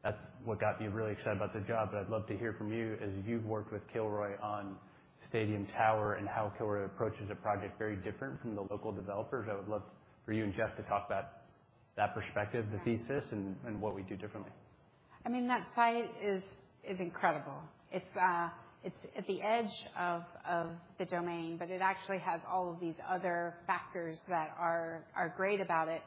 That's what got me really excited about the job, but I'd love to hear from you as you've worked with Kilroy on Stadium Tower and how Kilroy approaches a project very different from the local developers. I would love for you and Jeff to talk about that perspective, the thesis, and what we do differently. I mean, that site is incredible. It's at the edge of The Domain, but it actually has all of these other factors that are great about it.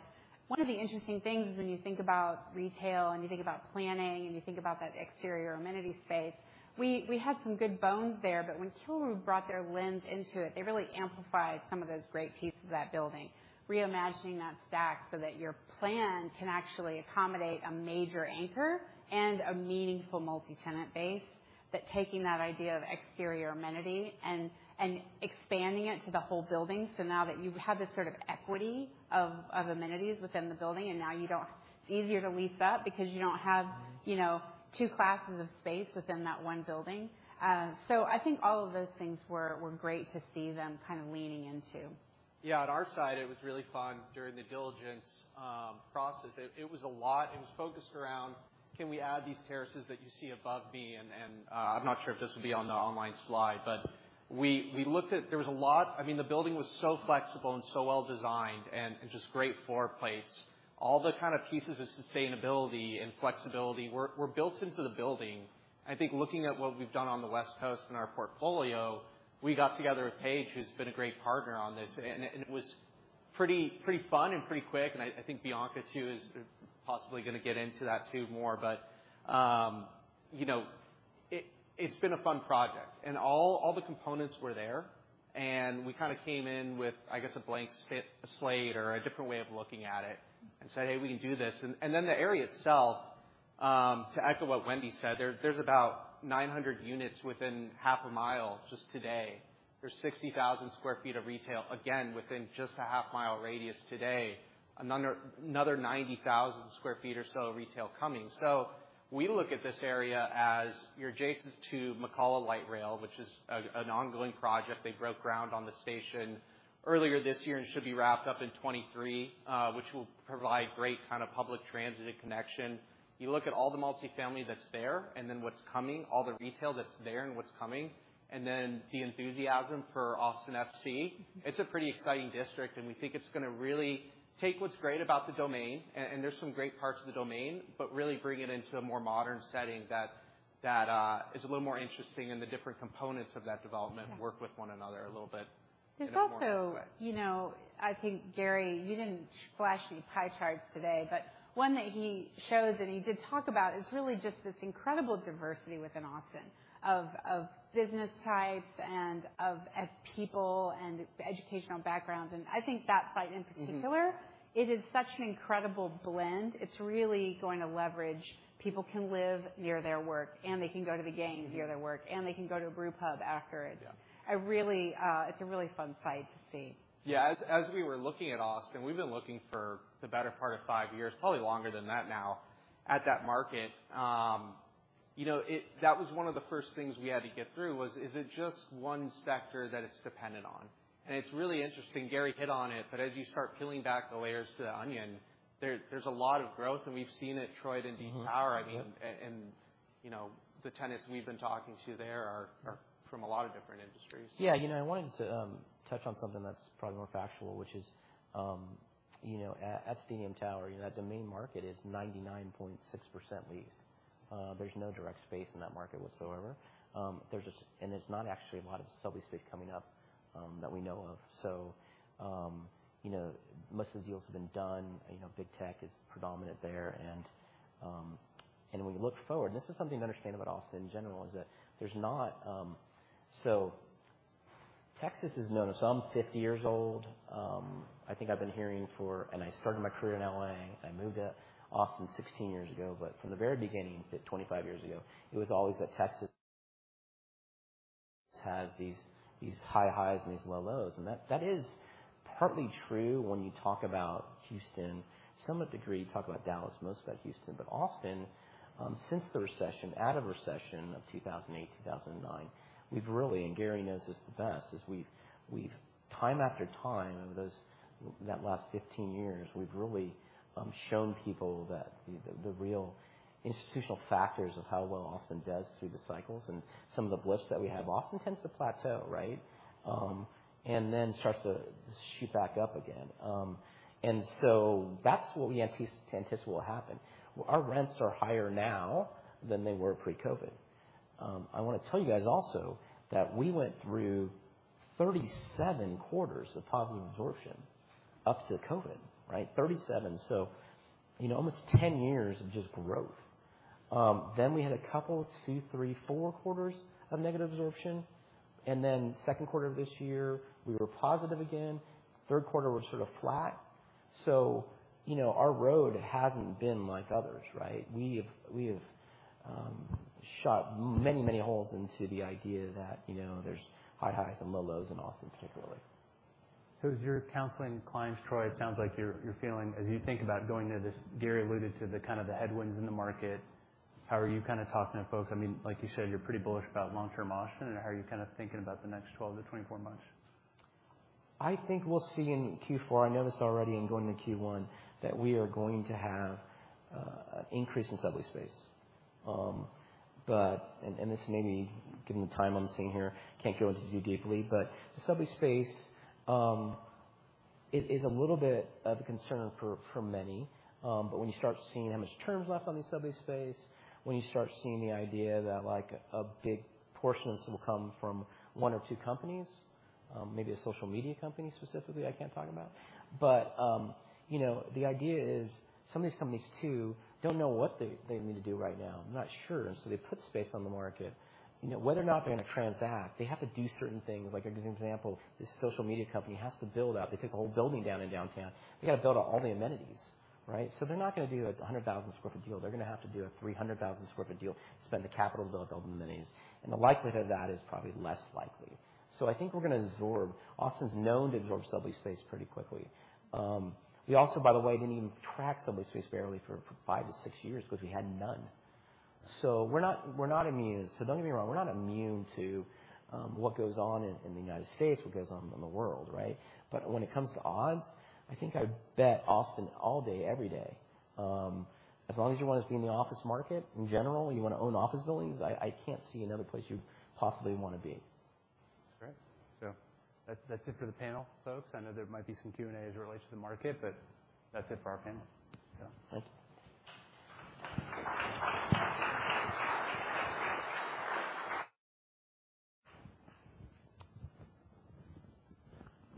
One of the interesting things is when you think about retail and you think about planning and you think about that exterior amenity space, we had some good bones there, but when Kilroy brought their lens into it, they really amplified some of those great pieces of that building. Reimagining that stack so that your plan can actually accommodate a major anchor and a meaningful multi-tenant base. Taking that idea of exterior amenity and expanding it to the whole building. Now that you have this sort of equity of amenities within the building, and now you don't. It's easier to lease up because you don't have, you know, two classes of space within that one building. I think all of those things were great to see them kind of leaning into. Yeah. On our side, it was really fun during the diligence process. It was a lot. It was focused around can we add these terraces that you see above me? I'm not sure if this will be on the online slide, but we looked at. There was a lot. I mean, the building was so flexible and so well designed and just great floor plates. All the kind of pieces of sustainability and flexibility were built into the building. I think looking at what we've done on the West Coast in our portfolio, we got together with Page, who's been a great partner on this. It was pretty fun and pretty quick. I think Bianca too is possibly gonna get into that too more, but you know, it's been a fun project. All the components were there, and we kinda came in with, I guess, a blank slate or a different way of looking at it and said, "Hey, we can do this." Then the area itself, to echo what Wendy said, there's about 900 units within half a mile just today. There's 60,000 sq ft of retail, again, within just a half-mile radius today. Another 90,000 sq ft or so of retail coming. We look at this area as you're adjacent to McKalla Light Rail, which is an ongoing project. They broke ground on the station earlier this year and should be wrapped up in 2023, which will provide great kind of public transit connection. You look at all the multifamily that's there and then what's coming, all the retail that's there and what's coming, and then the enthusiasm for Austin FC, it's a pretty exciting district, and we think it's gonna really take what's great about The Domain, and there's some great parts of The Domain, but really bring it into a more modern setting that is a little more interesting and the different components of that development work with one another a little bit in a more There's also, you know, I think, Gary, you didn't flash any pie charts today, but one that he shows and he did talk about is really just this incredible diversity within Austin of business types and of people and educational backgrounds. I think that site in particular. Mm-hmm. It is such an incredible blend. It's really going to leverage. People can live near their work, and they can go to the games near their work, and they can go to a brewpub after. Yeah. I really, it's a really fun site to see. Yeah. As we were looking at Austin, we've been looking for the better part of five years, probably longer than that now, at that market. You know, that was one of the first things we had to get through was, is it just one sector that it's dependent on? It's really interesting. Gary hit on it, but as you start peeling back the layers of the onion, there's a lot of growth, and we've seen it, Troy, at Indeed Tower. Mm-hmm. I mean, you know, the tenants we've been talking to there are from a lot of different industries. Yeah. You know, I wanted to touch on something that's probably more factual, which is, you know, at Stadium Tower, you know, The Domain market is 99.6% leased. There's no direct space in that market whatsoever. There's not actually a lot of sublease space coming up that we know of. You know, most of the deals have been done. You know, Big Tech is predominant there. When you look forward, this is something to understand about Austin in general, is that there's not. Texas is known. I'm 50 years old. I think I've been hearing for. I started my career in L.A. I moved to Austin 16 years ago, but from the very beginning, but 25 years ago, it was always that Texas has these high highs and these low lows. That is partly true when you talk about Houston. To some degree, you talk about Dallas, mostly about Houston. Austin, since the recession of 2008, 2009, we've really, and Gary knows this the best, we've time after time over that last 15 years, we've really shown people that the real institutional factors of how well Austin does through the cycles and some of the blips that we have. Austin tends to plateau, right? Then starts to shoot back up again. That's what we anticipate will happen. Our rents are higher now than they were pre-COVID. I wanna tell you guys also that we went through 37 quarters of positive absorption up to COVID, right? 37. You know, almost 10 years of just growth. Then we had a couple, two, three, four quarters of negative absorption, and then second quarter of this year, we were positive again. Third quarter was sort of flat. You know, our road hasn't been like others, right? We have shot many, many holes into the idea that, you know, there's high highs and low lows in Austin, particularly. As you're counseling clients, Troy, it sounds like you're feeling, as you think about going to this, Gary alluded to the kind of the headwinds in the market, how are you kinda talking to folks? I mean, like you said, you're pretty bullish about long-term Austin. How are you kinda thinking about the next 12-24 months? I think we'll see in Q4. I know this already going into Q1 that we are going to have increase in sublease space. This may be given the time I'm seeing here, can't go into deeply, but the sublease space, it is a little bit of a concern for many. When you start seeing how much terms left on the sublease space, when you start seeing the idea that like a big portion of this will come from one or two companies, maybe a social media company specifically I can't talk about. You know, the idea is some of these companies too don't know what they need to do right now. They're not sure. They put space on the market. You know, whether or not they're gonna transact, they have to do certain things. Like, as an example, this social media company has to build out. They took a whole building down in downtown. They gotta build out all the amenities, right? They're not gonna do a 100,000 sq ft deal. They're gonna have to do a 300,000 sq ft deal, spend the capital to build the amenities, and the likelihood of that is probably less likely. I think we're gonna absorb. Austin's known to absorb sublease space pretty quickly. We also, by the way, didn't even track sublease space barely for five to six years because we had none. We're not immune. Don't get me wrong, we're not immune to what goes on in the United States, what goes on in the world, right? When it comes to odds, I think I'd bet Austin all day, every day. As long as you wanna be in the office market in general, you wanna own office buildings. I can't see another place you'd possibly wanna be. Great. That's it for the panel, folks. I know there might be some Q&A as it relates to the market, but that's it for our panel. Thank you.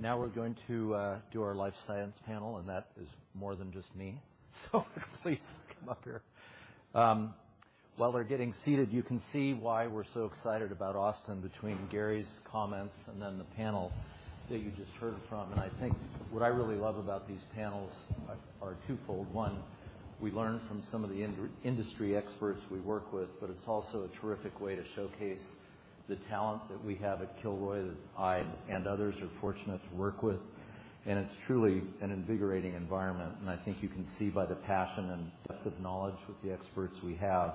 Now we're going to do our life science panel, and that is more than just me. Please come up here. While they're getting seated, you can see why we're so excited about Austin between Gary's comments and then the panel that you just heard from. I think what I really love about these panels are twofold. One, we learn from some of the industry experts we work with, but it's also a terrific way to showcase the talent that we have at Kilroy that I and others are fortunate to work with. It's truly an invigorating environment, and I think you can see by the passion and depth of knowledge with the experts we have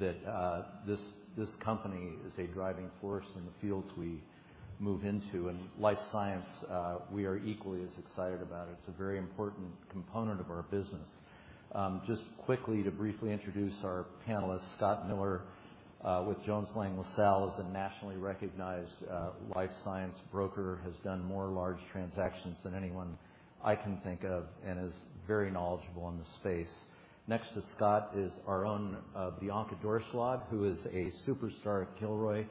that this company is a driving force in the fields we move into. Life science, we are equally as excited about it. It's a very important component of our business. Just quickly to briefly introduce our panelists, Scott Miller with Jones Lang LaSalle, is a nationally recognized life science broker, has done more large transactions than anyone I can think of and is very knowledgeable in the space. Next to Scott is our own Bianca Doreschlag, who is a superstar at Kilroy.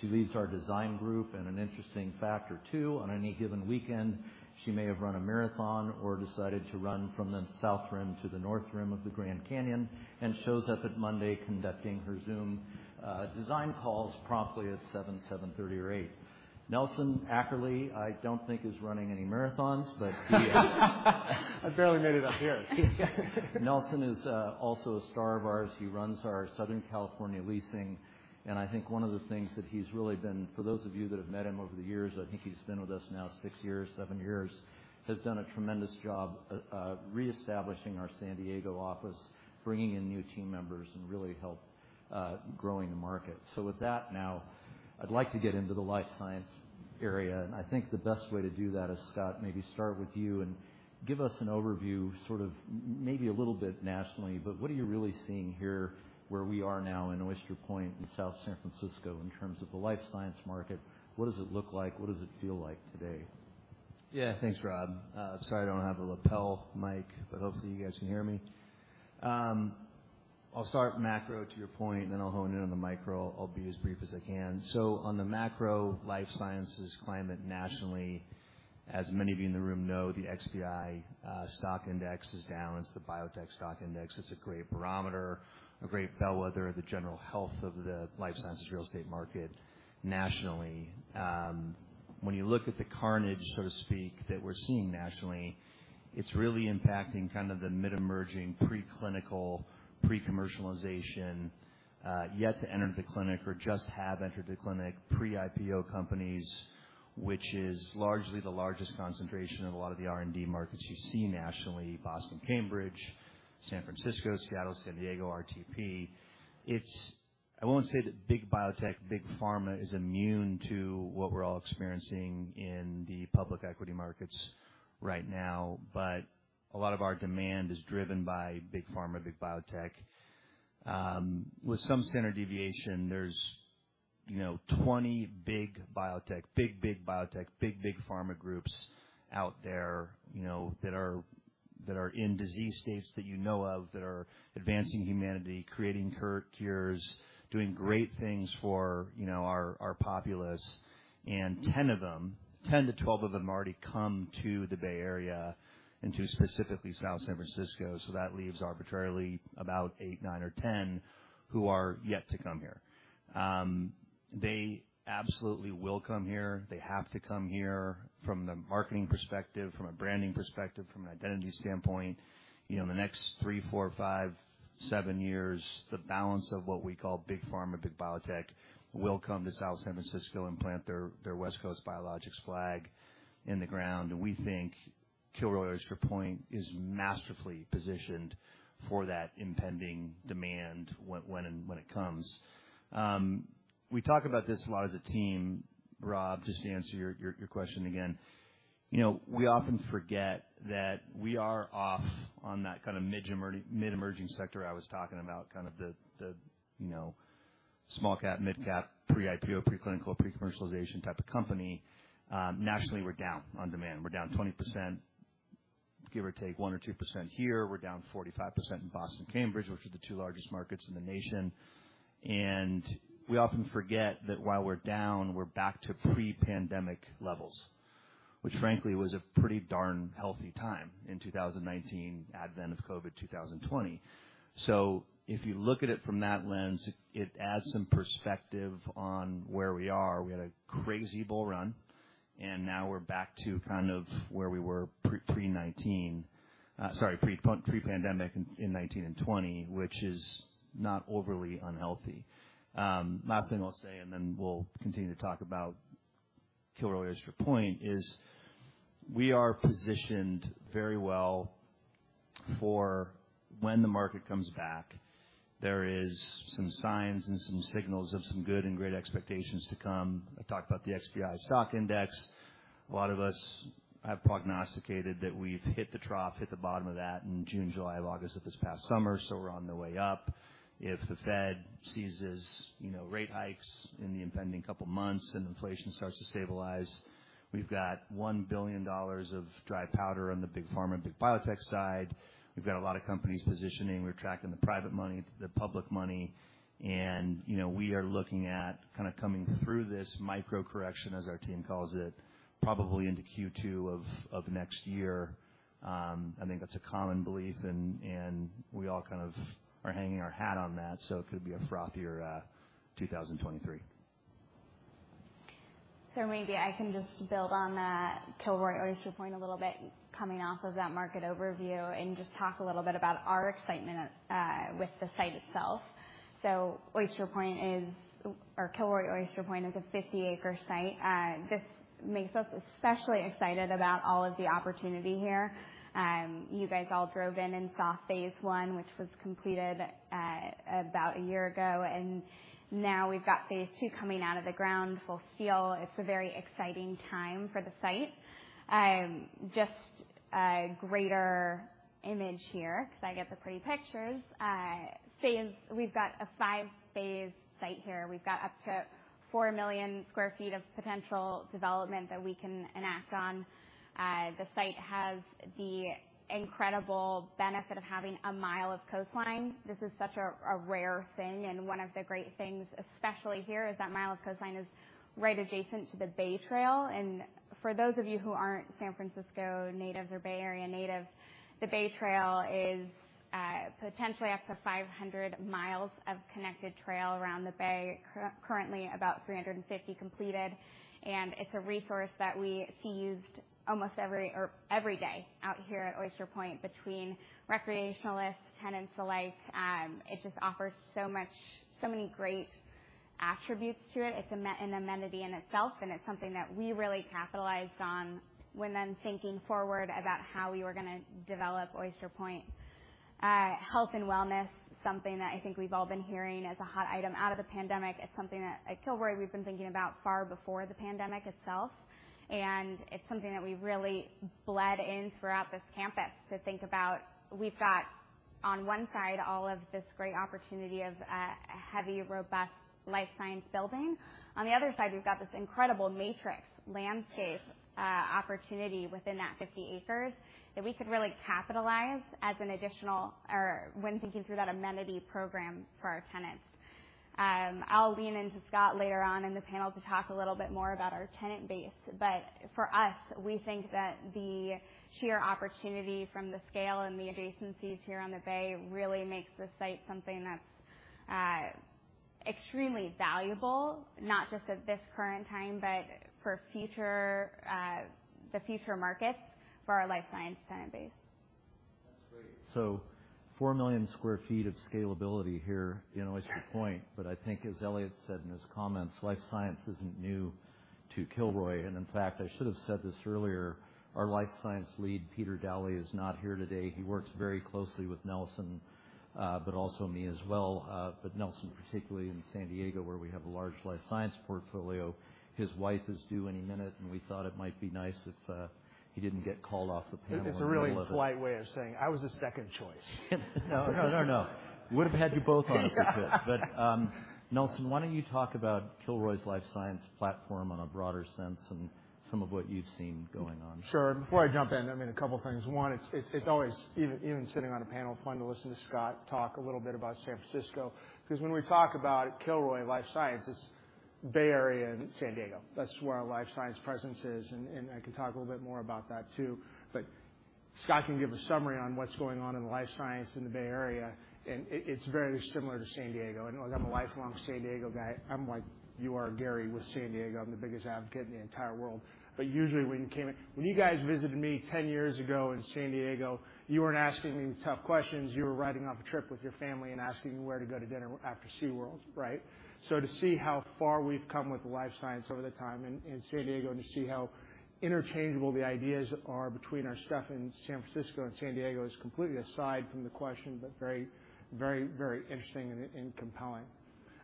She leads our design group. An interesting factor, too, on any given weekend, she may have run a marathon or decided to run from the South Rim to the North Rim of the Grand Canyon and shows up at Monday conducting her Zoom design calls promptly at 7:30, or 8:00. Nelson Ackerly, I don't think is running any marathons, but he- I barely made it up here. Nelson is also a star of ours. He runs our Southern California leasing. I think one of the things that he's really been. For those of you that have met him over the years, I think he's been with us now six years, seven years, has done a tremendous job, reestablishing our San Diego office, bringing in new team members, and really help growing the market. With that now, I'd like to get into the life science area. I think the best way to do that is, Scott, maybe start with you and give us an overview, sort of maybe a little bit nationally, but what are you really seeing here where we are now in Oyster Point in South San Francisco in terms of the life science market? What does it look like? What does it feel like today? Yeah. Thanks, Rob. Sorry I don't have a lapel mic, but hopefully you guys can hear me. I'll start macro to your point, and then I'll hone in on the micro. I'll be as brief as I can. On the macro life sciences climate nationally, as many of you in the room know, the XBI stock index is down. It's the biotech stock index. It's a great barometer, a great bellwether of the general health of the life sciences real estate market nationally. When you look at the carnage, so to speak, that we're seeing nationally, it's really impacting kind of the mid-emerging, pre-clinical, pre-commercialization, yet to enter the clinic or just have entered the clinic pre-IPO companies, which is largely the largest concentration of a lot of the R&D markets you see nationally, Boston, Cambridge, San Francisco, Seattle, San Diego, RTP. It's. I won't say that big biotech, big pharma is immune to what we're all experiencing in the public equity markets right now, but a lot of our demand is driven by big pharma, big biotech. With some standard deviation, there's, you know, 20 big biotech, big pharma groups out there, you know, that are in disease states that you know of, that are advancing humanity, creating cures, doing great things for, you know, our populace. Ten to 12 of them already come to the Bay Area and to specifically South San Francisco, so that leaves arbitrarily about eight, nine or tem who are yet to come here. They absolutely will come here. They have to come here from the marketing perspective, from a branding perspective, from an identity standpoint. You know, in the next three, four, five, seven years, the balance of what we call big pharma, big biotech will come to South San Francisco and plant their West Coast biologics flag in the ground. We think Kilroy Oyster Point is masterfully positioned for that impending demand when it comes. We talk about this a lot as a team, Rob, just to answer your question again. You know, we often forget that we are off on that kinda mid-emerging sector I was talking about, kind of the small cap, mid cap, pre-IPO, pre-clinical, pre-commercialization type of company. Nationally, we're down on demand. We're down 20%, give or take 1% or 2% here. We're down 45% in Boston, Cambridge, which are the two largest markets in the nation. We often forget that while we're down, we're back to pre-pandemic levels, which frankly was a pretty darn healthy time in 2019, advent of COVID, 2020. If you look at it from that lens, it adds some perspective on where we are. We had a crazy bull run, and now we're back to kind of where we were pre-pandemic in 2019 and 2020, which is not overly unhealthy. Last thing I'll say, and then we'll continue to talk about Kilroy Oyster Point, is we are positioned very well for when the market comes back. There is some signs and some signals of some good and great expectations to come. I talked about the XBI stock index. A lot of us have prognosticated that we've hit the trough, hit the bottom of that in June, July, August of this past summer. We're on the way up. If the Fed ceases, you know, rate hikes in the impending couple months and inflation starts to stabilize, we've got $1 billion of dry powder on the big pharma, big biotech side. We've got a lot of companies positioning. We're attracting the private money, the public money, and, you know, we are looking at kind of coming through this micro-correction, as our team calls it, probably into Q2 of next year. I think that's a common belief and we all kind of are hanging our hat on that. It could be a frothier 2023. Maybe I can just build on that Kilroy Oyster Point a little bit coming off of that market overview and just talk a little bit about our excitement with the site itself. Oyster Point or Kilroy Oyster Point is a 50-acre site. This makes us especially excited about all of the opportunity here. You guys all drove in and saw Phase 1, which was completed about a year ago. Now we've got Phase 2 coming out of the ground full scale. It's a very exciting time for the site. Just a greater image here because I get the pretty pictures. We've got a five-phase site here. We've got up to 4 million sq ft of potential development that we can act on. The site has the incredible benefit of having a mile of coastline. This is such a rare thing, and one of the great things, especially here, is that mile of coastline is right adjacent to the Bay Trail. For those of you who aren't San Francisco natives or Bay Area natives, the Bay Trail is potentially up to 500 mi of connected trail around the Bay. Currently about 350 mi completed. It's a resource that we see used almost every day out here at Oyster Point between recreationalists, tenants alike. It just offers so much, so many great attributes to it. It's an amenity in itself, and it's something that we really capitalized on when thinking forward about how we were gonna develop Oyster Point. Health and wellness, something that I think we've all been hearing as a hot item out of the pandemic. It's something that at Kilroy we've been thinking about far before the pandemic itself, and it's something that we've really bled in throughout this campus to think about. We've got on one side all of this great opportunity of heavy, robust life science building. On the other side, we've got this incredible matrix landscape opportunity within that 50 acres that we could really capitalize as an additional or when thinking through that amenity program for our tenants. I'll lean into Scott later on in the panel to talk a little bit more about our tenant base. For us, we think that the sheer opportunity from the scale and the adjacencies here on the Bay really makes the site something that's extremely valuable, not just at this current time, but for future markets for our life science tenant base. That's great. Four million sq ft of scalability here, you know, is the point. I think as Eliott said in his comments, life science isn't new to Kilroy. In fact, I should have said this earlier, our life science lead, Peter Daly, is not here today. He works very closely with Nelson, but also me as well. Nelson, particularly in San Diego, where we have a large life science portfolio, his wife is due any minute, and we thought it might be nice if he didn't get called off the panel. It's a really polite way of saying I was a second choice. No. Would have had you both on if we could. Nelson, why don't you talk about Kilroy's life science platform in a broader sense and some of what you've seen going on. Sure. Before I jump in, I mean, a couple of things. One, it's always, even sitting on a panel, fun to listen to Scott talk a little bit about San Francisco, because when we talk about Kilroy life sciences, Bay Area and San Diego, that's where our life science presence is. I can talk a little bit more about that, too. Scott can give a summary on what's going on in life science in the Bay Area, and it's very similar to San Diego. I know I'm a lifelong San Diego guy. I'm like, you are Gary with San Diego. I'm the biggest advocate in the entire world. When you guys visited me ten years ago in San Diego, you weren't asking me tough questions. You were riding off a trip with your family and asking me where to go to dinner after SeaWorld, right? To see how far we've come with life science over the time in San Diego and to see how interchangeable the ideas are between our stuff in San Francisco and San Diego is completely aside from the question, but very, very, very interesting and compelling.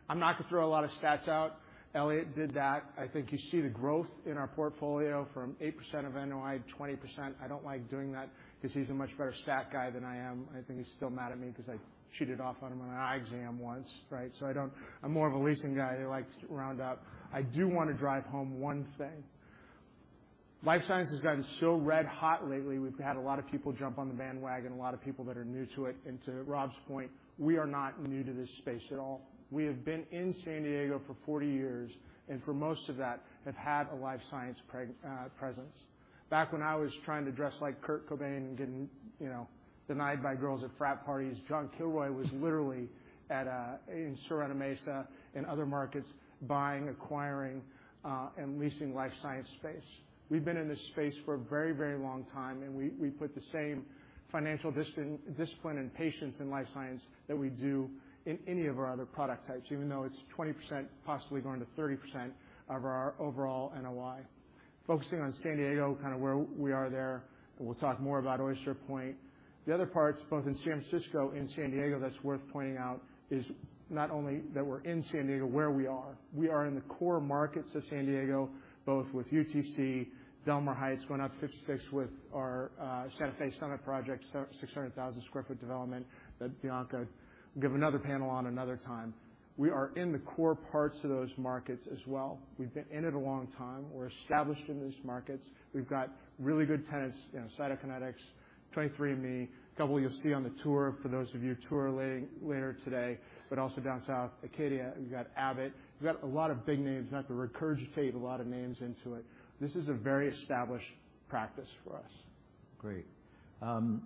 I'm not gonna throw a lot of stats out. Eliott did that. I think you see the growth in our portfolio from 8% of NOI to 20%. I don't like doing that because he's a much better stat guy than I am. I think he's still mad at me because I cheated off on him on an eye exam once, right? I don't. I'm more of a leasing guy who likes to round up. I do wanna drive home one thing. Life science has gotten so red hot lately. We've had a lot of people jump on the bandwagon, a lot of people that are new to it. To Rob's point, we are not new to this space at all. We have been in San Diego for 40 years, and for most of that have had a life science presence. Back when I was trying to dress like Kurt Cobain and getting, you know, denied by girls at frat parties, John Kilroy was literally at in Sorrento Mesa in other markets, buying, acquiring, and leasing life science space. We've been in this space for a very, very long time, and we put the same financial discipline and patience in life science that we do in any of our other product types, even though it's 20%, possibly going to 30% of our overall NOI. Focusing on San Diego, kinda where we are there, and we'll talk more about Oyster Point. The other parts, both in San Francisco and San Diego that's worth pointing out is not only that we're in San Diego, where we are. We are in the core markets of San Diego, both with UTC, Del Mar Heights, going out to 56 with our Santa Fe Summit project, 600,000 sq ft development that Bianca will give another panel on another time. We are in the core parts of those markets as well. We've been in it a long time. We're established in these markets. We've got really good tenants, you know, Cytokinetics, 23andMe, a couple you'll see on the tour for those of you touring later today, but also down south, Acadia, we've got Abbott. We've got a lot of big names. Not to regurgitate a lot of names into it. This is a very established practice for us. Great. I'd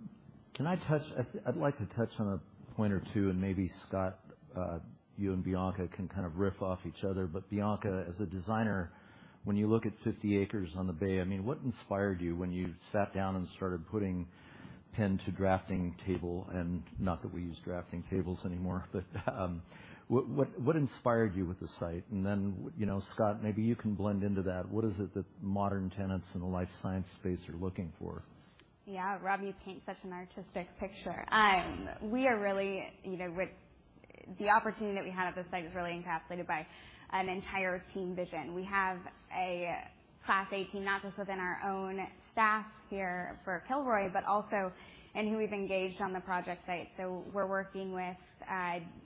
like to touch on a point or two, and maybe Scott, you and Bianca can kind of riff off each other. Bianca, as a designer, when you look at 50 acres on the bay, I mean, what inspired you when you sat down and started putting pen to drafting table and not that we use drafting tables anymore, but what inspired you with the site? You know, Scott, maybe you can blend into that. What is it that modern tenants in the life science space are looking for? Yeah. Rob, you paint such an artistic picture. We are really, you know, with the opportunity that we had at this site is really encapsulated by an entire team vision. We have a Class A team, not just within our own staff here for Kilroy, but also in who we've engaged on the project site. We're working with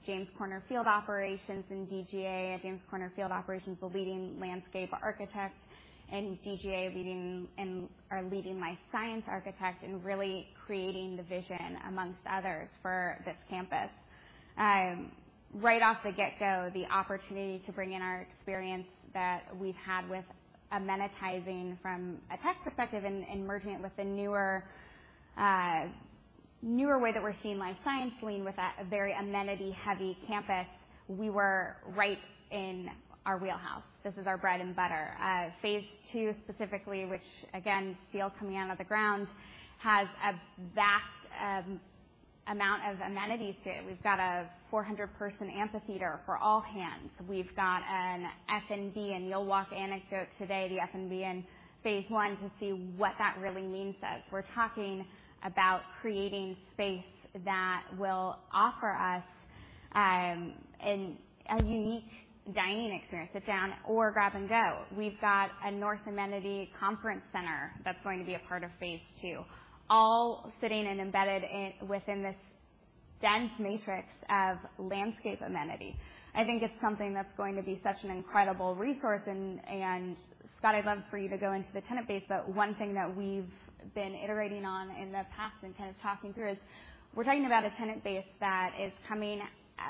James Corner Field Operations and DGA. James Corner Field Operations, the leading landscape architect, and DGA, leading and our leading life science architect, and really creating the vision amongst others for this campus. Right off the get-go, the opportunity to bring in our experience that we've had with amenitizing from a tech perspective and merging it with the newer way that we're seeing life science lean with a very amenity-heavy campus. We were right in our wheelhouse. This is our bread and butter. Phase two specifically, which again, still coming out of the ground, has a vast amount of amenities to it. We've got a 400-person amphitheater for all hands. We've got an F&B, and you'll walk to The Anecdote today, the F&B in Phase 1 to see what that really means to us. We're talking about creating space that will offer us a unique dining experience, sit down or grab and go. We've got a North amenity conference center that's going to be a part of phase two, all sitting and embedded in this dense matrix of landscape amenity. I think it's something that's going to be such an incredible resource and Scott, I'd love for you to go into the tenant base, but one thing that we've been iterating on in the past and kind of talking through is we're talking about a tenant base that is coming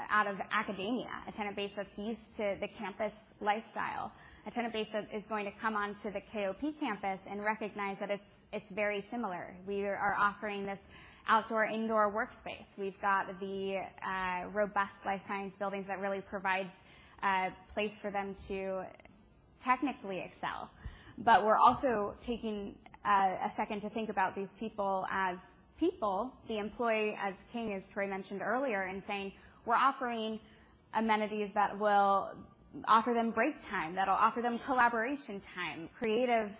out of academia, a tenant base that's used to the campus lifestyle, a tenant base that is going to come onto the KOP campus and recognize that it's very similar. We are offering this outdoor, indoor workspace. We've got the robust life science buildings that really provide a place for them to technically excel. But we're also taking a second to think about these people as people, the employee as king, as Troy mentioned earlier, and saying, "We're offering amenities that will offer them break time, that'll offer them collaboration time, creative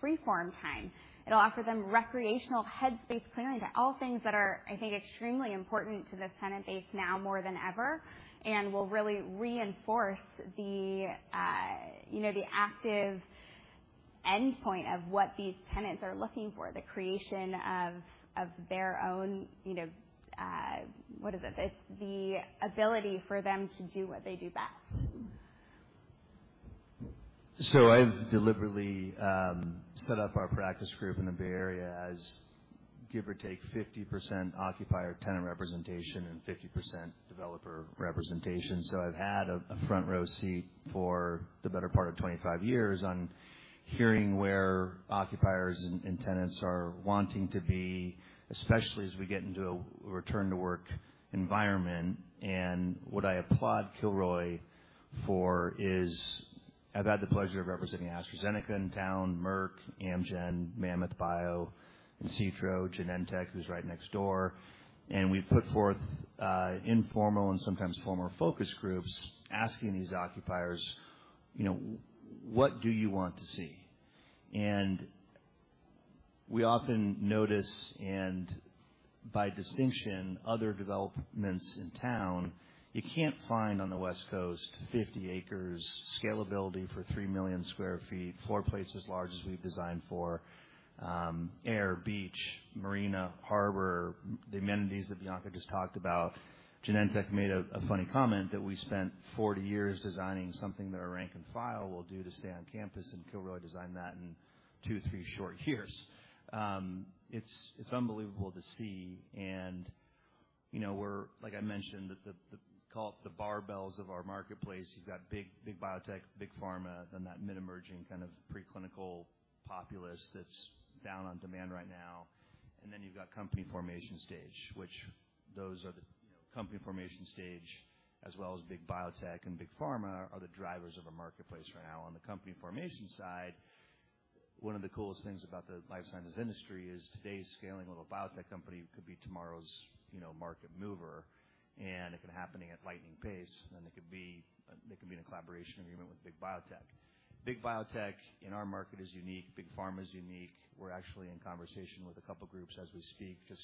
free form time. It'll offer them recreational headspace clearing." All things that are, I think, extremely important to this tenant base now more than ever and will really reinforce the, you know, the active endpoint of what these tenants are looking for, the creation of their own, you know, what is it? The ability for them to do what they do best. I've deliberately set up our practice group in the Bay Area as give or take 50% occupier tenant representation and 50% developer representation. I've had a front row seat for the better part of 25 years on hearing where occupiers and tenants are wanting to be, especially as we get into a return to work environment. What I applaud Kilroy for is I've had the pleasure of representing AstraZeneca in town, Merck, Amgen, Mammoth Biosciences, Insitro, Genentech, who's right next door. We put forth informal and sometimes formal focus groups asking these occupiers, you know, "What do you want to see?" We often notice and by distinction, other developments in town, you can't find on the West Coast 50 acres, scalability for 3 million sq ft, floor plates as large as we've designed for, air, beach, marina, harbor, the amenities that Bianca just talked about. Genentech made a funny comment that we spent 40 years designing something that our rank and file will do to stay on campus, and Kilroy designed that in two, three short years. It's unbelievable to see. You know, we're, like I mentioned, the call it the barbells of our marketplace. You've got big biotech, big pharma, then that mid-emerging kind of preclinical populace that's in demand right now. You've got company formation stage as well as big biotech and big pharma are the drivers of our marketplace right now. On the company formation side, one of the coolest things about the life sciences industry is today's scaling little biotech company could be tomorrow's, you know, market mover. If it happening at lightning pace, then they could be in a collaboration agreement with big biotech. Big biotech in our market is unique. Big pharma is unique. We're actually in conversation with a couple groups as we speak. Just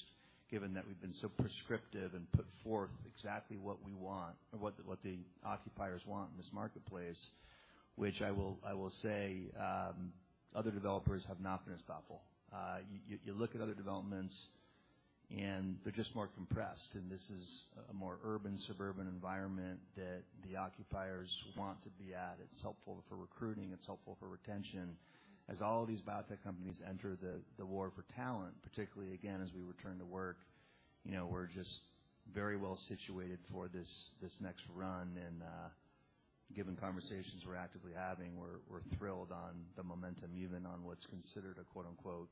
given that we've been so prescriptive and put forth exactly what we want and what the occupiers want in this marketplace, which I will say, other developers have not been as thoughtful. You look at other developments and they're just more compressed. This is a more urban, suburban environment that the occupiers want to be at. It's helpful for recruiting, it's helpful for retention. As all of these biotech companies enter the war for talent, particularly again as we return to work, you know, we're just very well situated for this next run. Given conversations we're actively having, we're thrilled on the momentum even on what's considered a quote unquote,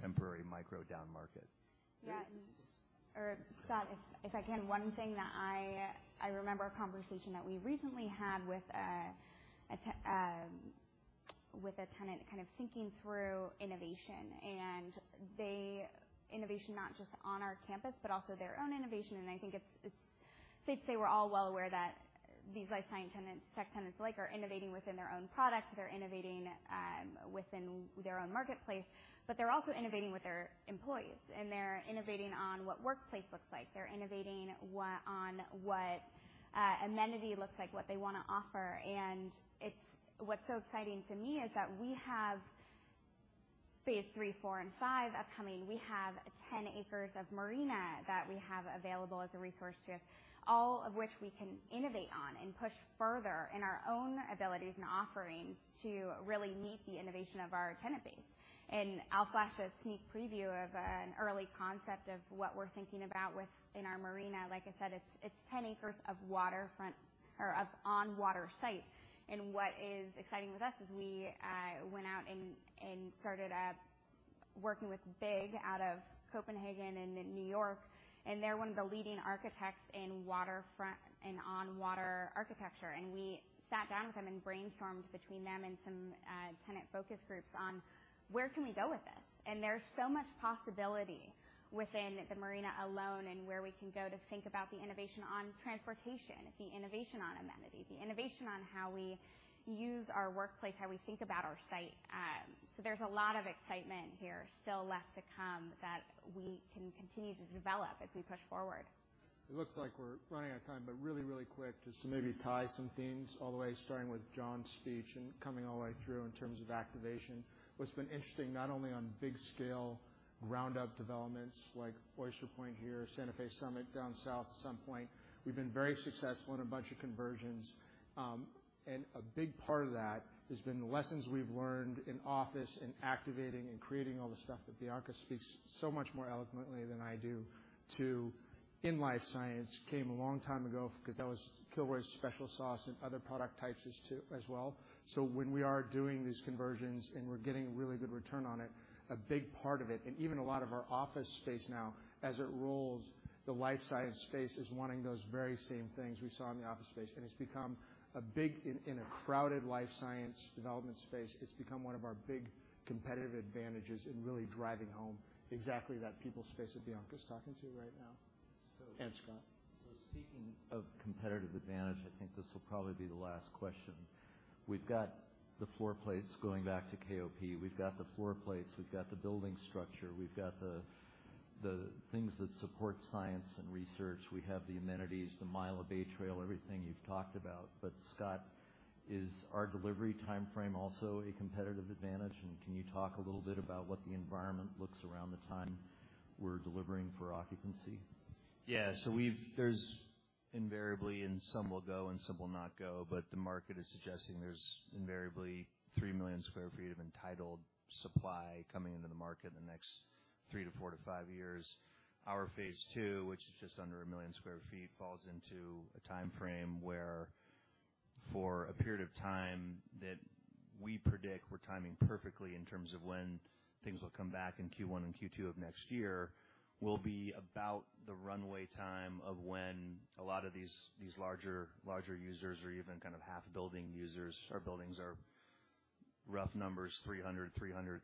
temporary micro down market. Yeah. Or Scott, if I can. One thing that I remember a conversation that we recently had with a tenant kind of thinking through innovation. Innovation not just on our campus, but also their own innovation. I think it's safe to say we're all well aware that these life science tenants, tech tenants alike are innovating within their own products. They're innovating within their own marketplace, but they're also innovating with their employees. They're innovating on what workplace looks like. They're innovating on what amenity looks like, what they wanna offer. What's so exciting to me is that we have Phase 3, 4, and 5 upcoming. We have 10 acres of marina that we have available as a resource to All of which we can innovate on and push further in our own abilities and offerings to really meet the innovation of our tenant base. I'll flash a sneak preview of an early concept of what we're thinking about within our marina. Like I said, it's 10 acres of waterfront or of on-water site. What is exciting with us is we went out and started up working with BIG out of Copenhagen and New York, and they're one of the leading architects in waterfront and on-water architecture. We sat down with them and brainstormed between them and some tenant focus groups on where can we go with this? There's so much possibility within the marina alone and where we can go to think about the innovation on transportation, the innovation on amenity, the innovation on how we use our workplace, how we think about our site. There's a lot of excitement here still left to come that we can continue to develop as we push forward. It looks like we're running out of time, but really, really quick, just to maybe tie some themes all the way starting with John's speech and coming all the way through in terms of activation. What's been interesting, not only on big scale ground-up developments like Oyster Point here, Santa Fe Summit down south at some point. We've been very successful in a bunch of conversions. A big part of that has been the lessons we've learned in office and activating and creating all the stuff that Bianca speaks so much more eloquently than I do too in life science came a long time ago 'cause that was Kilroy's special sauce and other product types is too, as well. When we are doing these conversions and we're getting really good return on it, a big part of it and even a lot of our office space now as it rolls, the life science space is wanting those very same things we saw in the office space. It's become a big, in a crowded life science development space, it's become one of our big competitive advantages in really driving home exactly that people space that Bianca's talking to right now. Scott. Speaking of competitive advantage, I think this will probably be the last question. We've got the floor plates going back to KOP. We've got the floor plates, we've got the building structure, we've got the things that support science and research. We have the amenities, the mile of bay trail, everything you've talked about. Scott, is our delivery timeframe also a competitive advantage? Can you talk a little bit about what the environment looks like around the time we're delivering for occupancy? Yeah. There's invariably and some will go and some will not go, but the market is suggesting there's invariably 3 million sq ft of entitled supply coming into the market in the next three to four to five years. Our Phase 2, which is just under 1 million sq ft, falls into a timeframe where for a period of time that we predict we're timing perfectly in terms of when things will come back in Q1 and Q2 of next year, will be about the runway time of when a lot of these larger users or even kind of half building users. Our buildings are rough numbers, 300, 300.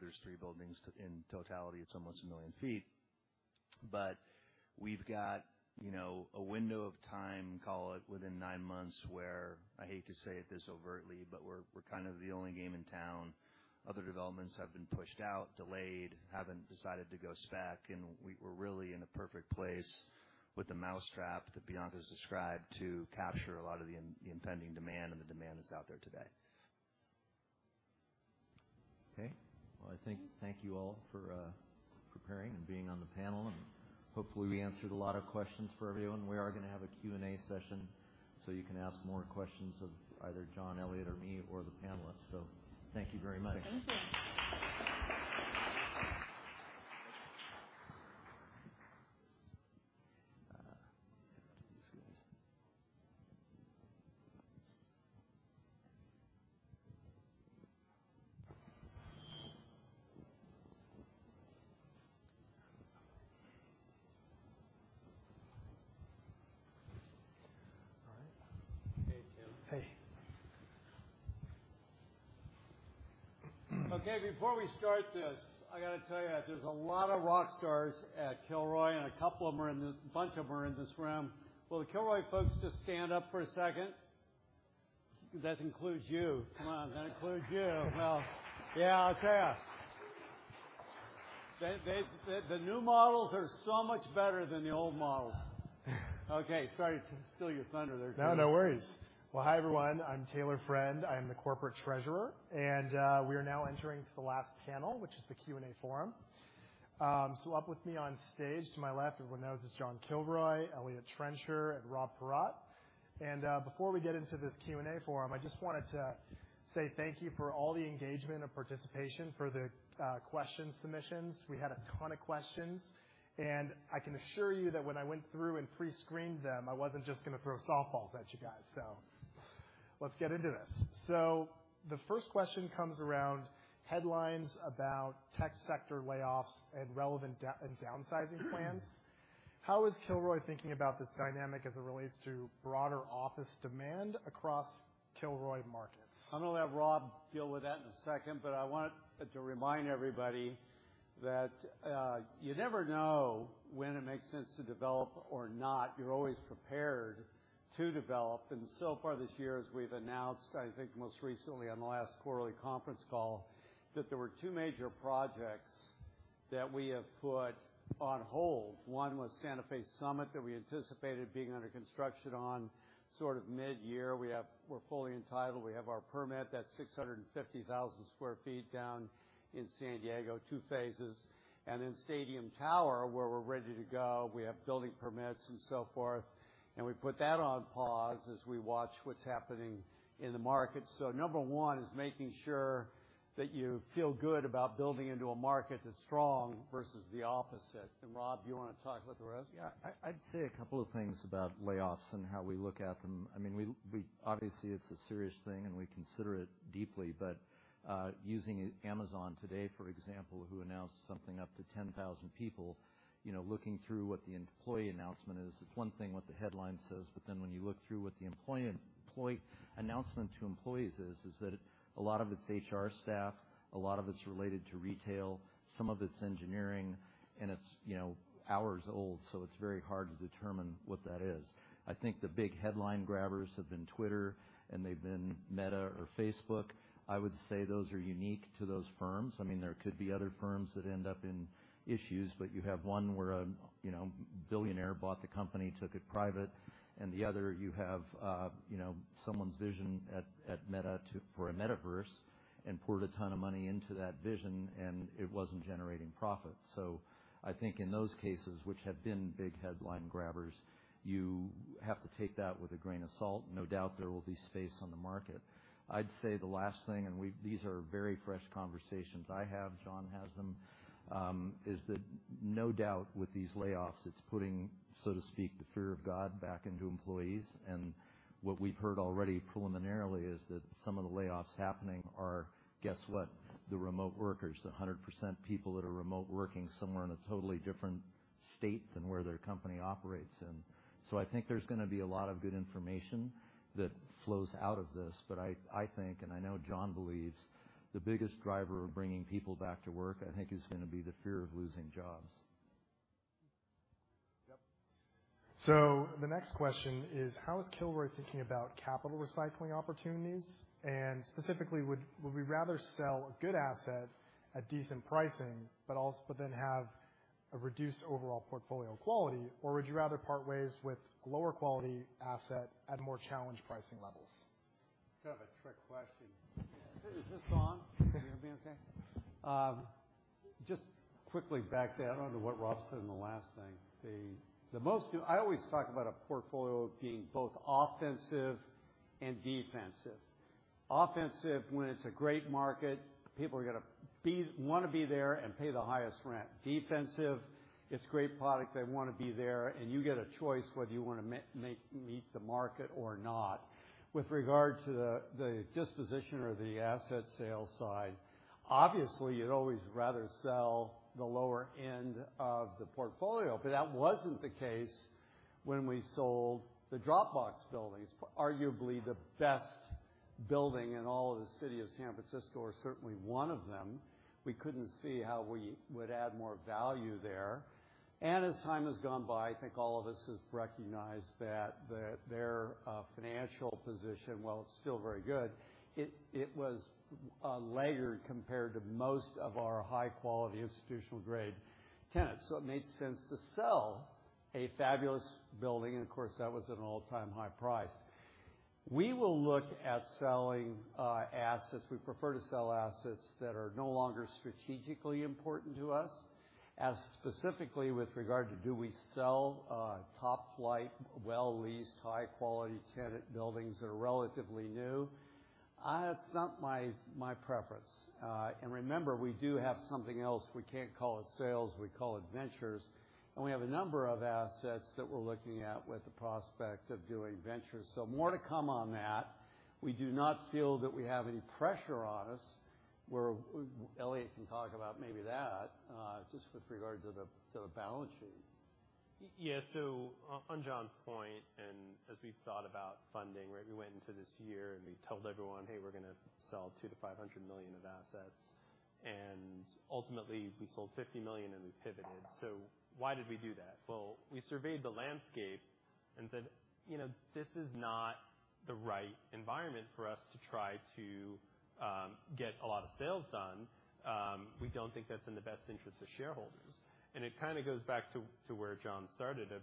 There's three buildings. In totality, it's almost 1 million sq ft. We've got, you know, a window of time, call it within nine months, where I hate to say it this overtly, but we're kind of the only game in town. Other developments have been pushed out, delayed, haven't decided to go SPAC, and we're really in a perfect place with the mousetrap that Bianca's described to capture a lot of the impending demand and the demand that's out there today. Okay. Well, I thank you all for preparing and being on the panel and hopefully we answered a lot of questions for everyone. We are gonna have a Q&A session. You can ask more questions of either John, Eliott, or me or the panelists. Thank you very much. Thank you. Let me see. All right. Hey, Rob. Hey. Okay, before we start this, I got to tell you that there's a lot of rock stars at Kilroy, and a couple of them are in this room. A bunch of them are in this room. Will the Kilroy folks just stand up for a second? That includes you. Come on. That includes you. Well. Yeah, I'll tell ya. The new models are so much better than the old models. Okay. Sorry to steal your thunder there. No, no worries. Well, hi, everyone. I'm Taylor Friend. I am the corporate treasurer, and we are now entering the last panel, which is the Q&A forum. Up with me on stage to my left, everyone knows, is John Kilroy, Eliott Trencher, and Rob Parrott. Before we get into this Q&A forum, I just wanted to say thank you for all the engagement and participation for the question submissions. We had a ton of questions, and I can assure you that when I went through and pre-screened them, I wasn't just gonna throw softballs at you guys. Let's get into this. The first question comes around headlines about tech sector layoffs and relevant downsizing plans. How is Kilroy thinking about this dynamic as it relates to broader office demand across Kilroy markets? I'm gonna let Rob deal with that in a second, but I want to remind everybody that you never know when it makes sense to develop or not. You're always prepared to develop. So far this year, as we've announced, I think most recently on the last quarterly conference call, that there were two major projects that we have put on hold. One was Santa Fe Summit that we anticipated being under construction on sort of mid-year. We're fully entitled. We have our permit. That's 650,000 sq ft down in San Diego, two phases. Stadium Tower, where we're ready to go, we have building permits and so forth, and we put that on pause as we watch what's happening in the market. Number one is making sure that you feel good about building into a market that's strong versus the opposite. Rob, do you wanna talk about the rest? I'd say a couple of things about layoffs and how we look at them. I mean, obviously it's a serious thing, and we consider it deeply. Using Amazon today, for example, who announced something up to 10,000 people, you know, looking through what the employee announcement is, it's one thing what the headline says, but then when you look through what the employee announcement to employees is that a lot of it's HR staff, a lot of it's related to retail, some of it's engineering, and it's, you know, hours old, so it's very hard to determine what that is. I think the big headline grabbers have been Twitter and they've been Meta or Facebook. I would say those are unique to those firms. I mean, there could be other firms that end up in issues, but you have one where a you know billionaire bought the company, took it private, and the other you have, you know, someone's vision at Meta for a metaverse and poured a ton of money into that vision, and it wasn't generating profit. I think in those cases, which have been big headline grabbers, you have to take that with a grain of salt. No doubt there will be space on the market. I'd say the last thing, these are very fresh conversations I have, John has them, is that no doubt with these layoffs, it's putting, so to speak, the fear of God back into employees. What we've heard already preliminarily is that some of the layoffs happening are, guess what, the remote workers, the 100% people that are remote working somewhere in a totally different state than where their company operates. I think there's gonna be a lot of good information that flows out of this. I think, and I know John believes, the biggest driver of bringing people back to work, I think, is gonna be the fear of losing jobs. Yep. The next question is, how is Kilroy thinking about capital recycling opportunities? Specifically, would we rather sell a good asset at decent pricing, but then have a reduced overall portfolio quality? Would you rather part ways with a lower quality asset at more challenged pricing levels? Kind of a trick question. Is this on? Can you hear me okay? Just quickly back to that, onto what Rob said in the last thing. I always talk about a portfolio being both offensive and defensive. Offensive when it's a great market, people are gonna wanna be there and pay the highest rent. Defensive, it's great product, they wanna be there, and you get a choice whether you wanna meet the market or not. With regard to the disposition or the asset sale side, obviously, you'd always rather sell the lower end of the portfolio, but that wasn't the case when we sold the Dropbox buildings. Arguably, the best building in all of the city of San Francisco, or certainly one of them. We couldn't see how we would add more value there. As time has gone by, I think all of us have recognized that their financial position, while it's still very good, it was a laggard compared to most of our high quality investment-grade tenants. It made sense to sell a fabulous building, and of course, that was an all-time high price. We will look at selling assets. We prefer to sell assets that are no longer strategically important to us. As specifically with regard to do we sell top-flight, well-leased, high quality tenant buildings that are relatively new, it's not my preference. Remember, we do have something else. We can't call it sales, we call it ventures. We have a number of assets that we're looking at with the prospect of doing ventures. More to come on that. We do not feel that we have any pressure on us, where Eliott can talk about maybe that, just with regard to the balance sheet. Yes. On John's point, and as we've thought about funding, right? We went into this year, and we told everyone, "Hey, we're gonna sell $200 million-$500 million of assets." Ultimately, we sold $50 million, and we pivoted. Why did we do that? Well, we surveyed the landscape and said, you know, this is not the right environment for us to try to get a lot of sales done. We don't think that's in the best interest of shareholders. It kind of goes back to where John started it.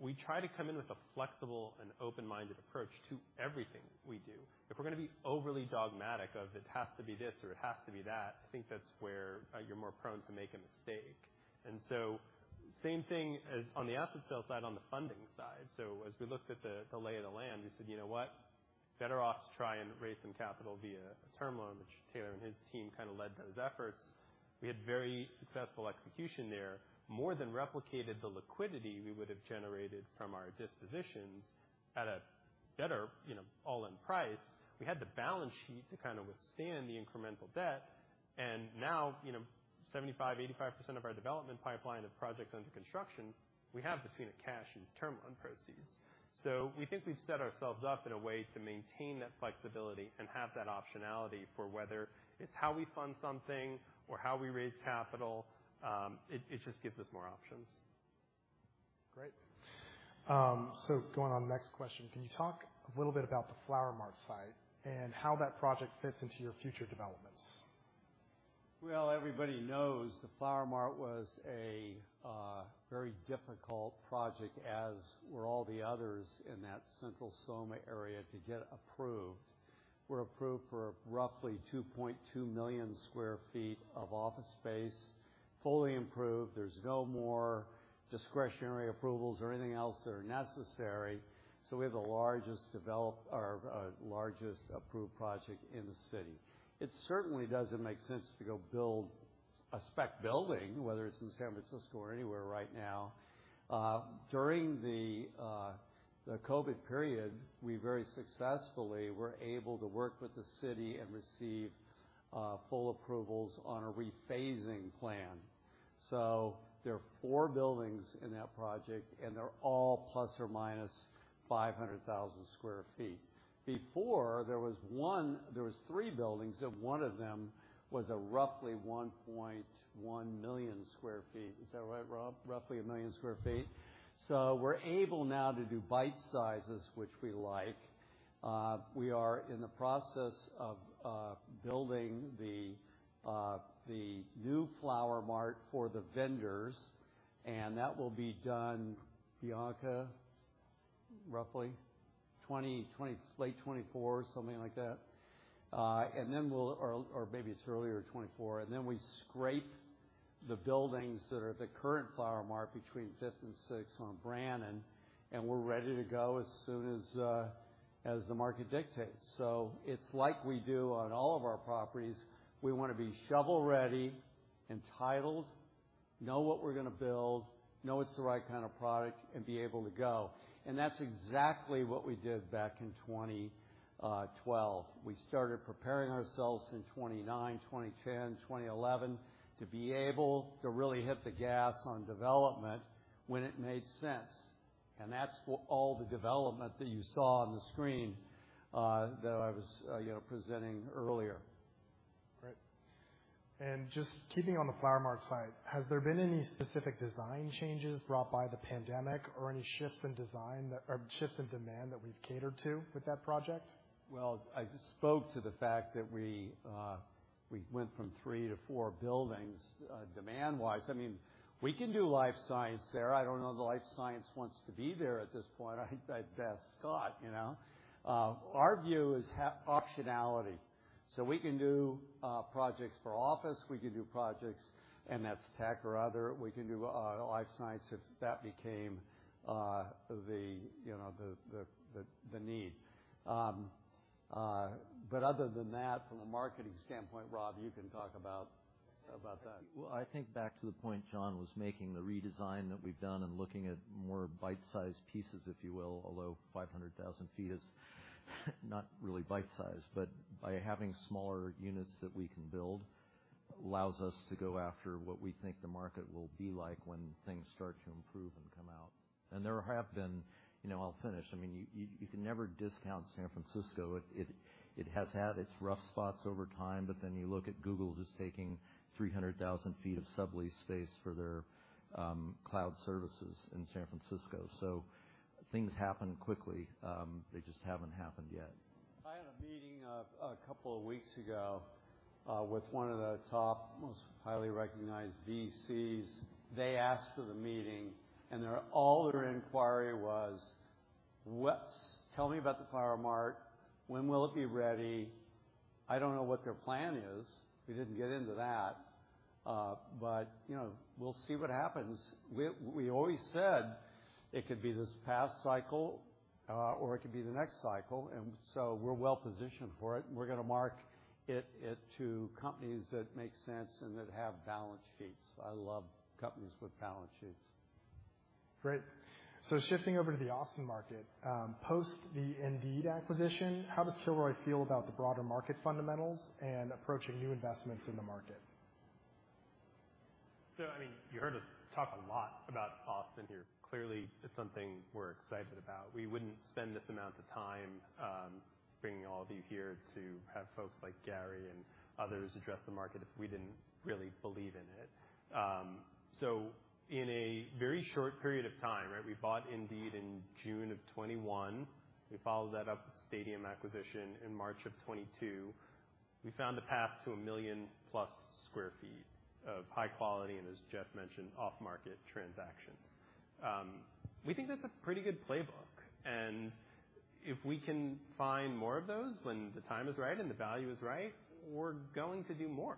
We try to come in with a flexible and open-minded approach to everything we do. If we're gonna be overly dogmatic of it has to be this or it has to be that, I think that's where you're more prone to make a mistake. Same thing as on the asset sale side, on the funding side. As we looked at the lay of the land, we said, "You know what? Better off to try and raise some capital via a term loan," which Taylor and his team kind of led those efforts. We had very successful execution there. More than replicated the liquidity we would've generated from our dispositions at a better, you know, all-in price. We had the balance sheet to kind of withstand the incremental debt. Now, you know, 75%-85% of our development pipeline of projects under construction, we have between a cash and term loan proceeds. We think we've set ourselves up in a way to maintain that flexibility and have that optionality for whether it's how we fund something or how we raise capital, it just gives us more options. Great. Going on the next question. Can you talk a little bit about the Flower Mart site and how that project fits into your future developments? Well, everybody knows the Flower Mart was a very difficult project, as were all the others in that Central SoMa area to get approved. We're approved for roughly 2.2 million sq ft of office space, fully improved. There's no more discretionary approvals or anything else that are necessary, so we have the largest approved project in the city. It certainly doesn't make sense to go build a spec building, whether it's in San Francisco or anywhere right now. During the COVID period, we very successfully were able to work with the city and receive full approvals on a rephasing plan. There are four buildings in that project, and they're all ±500,000 sq ft. Before, there was one. There were three buildings, and one of them was roughly 1.1 million sq ft. Is that right, Rob? Roughly 1 million sq ft. We're able now to do bite sizes, which we like. We are in the process of building the new Flower Mart for the vendors, and that will be done, Bianca, roughly? 2024, late 2024, something like that. Or maybe it's earlier 2024. We scrape the buildings that are the current Flower Mart between Fifth and Sixth on Brannan, and we're ready to go as soon as as the market dictates. It's like we do on all of our properties. We wanna be shovel-ready, entitled, know what we're gonna build, know it's the right kind of product, and be able to go. That's exactly what we did back in 2012. We started preparing ourselves in 2009, 2010, 2011, to be able to really hit the gas on development when it made sense. That's all the development that you saw on the screen that I was, you know, presenting earlier. Great. Just keeping on the Flower Mart site, has there been any specific design changes brought by the pandemic or any shifts in design or shifts in demand that we've catered to with that project? Well, I spoke to the fact that we went from three to four buildings demand-wise. I mean, we can do life science there. I don't know if life science wants to be there at this point. I'd ask Scott, you know. Our view is optionality. We can do projects for office, we can do projects, and that's tech or other. We can do life science if that became the need, you know. Other than that, from a marketing standpoint, Rob, you can talk about that. Well, I think back to the point John was making, the redesign that we've done and looking at more bite-sized pieces, if you will, although 500,000 sq ft is not really bite sized. By having smaller units that we can build allows us to go after what we think the market will be like when things start to improve and come out. You know, I'll finish. I mean, you can never discount San Francisco. It has had its rough spots over time, but then you look at Google just taking 300,000 sq ft of sublease space for their cloud services in San Francisco. Things happen quickly. They just haven't happened yet. I had a meeting a couple of weeks ago with one of the top, most highly recognized VCs. They asked for the meeting, and all their inquiry was, "Tell me about the Flower Mart. When will it be ready?" I don't know what their plan is. We didn't get into that. You know, we'll see what happens. We always said it could be this past cycle or it could be the next cycle, and so we're well positioned for it, and we're gonna market it to companies that make sense and that have balance sheets. I love companies with balance sheets. Great. Shifting over to the Austin market, post the Indeed acquisition, how does Kilroy feel about the broader market fundamentals and approaching new investments in the market? I mean, you heard us talk a lot about Austin here. Clearly, it's something we're excited about. We wouldn't spend this amount of time, bringing all of you here to have folks like Gary and others address the market if we didn't really believe in it. In a very short period of time, right? We bought Indeed in June of 2021. We followed that up with Stadium acquisition in March of 2022. We found the path to 1 million-plus sq ft of high quality, and as Jeff mentioned, off-market transactions. We think that's a pretty good playbook. If we can find more of those when the time is right and the value is right, we're going to do more.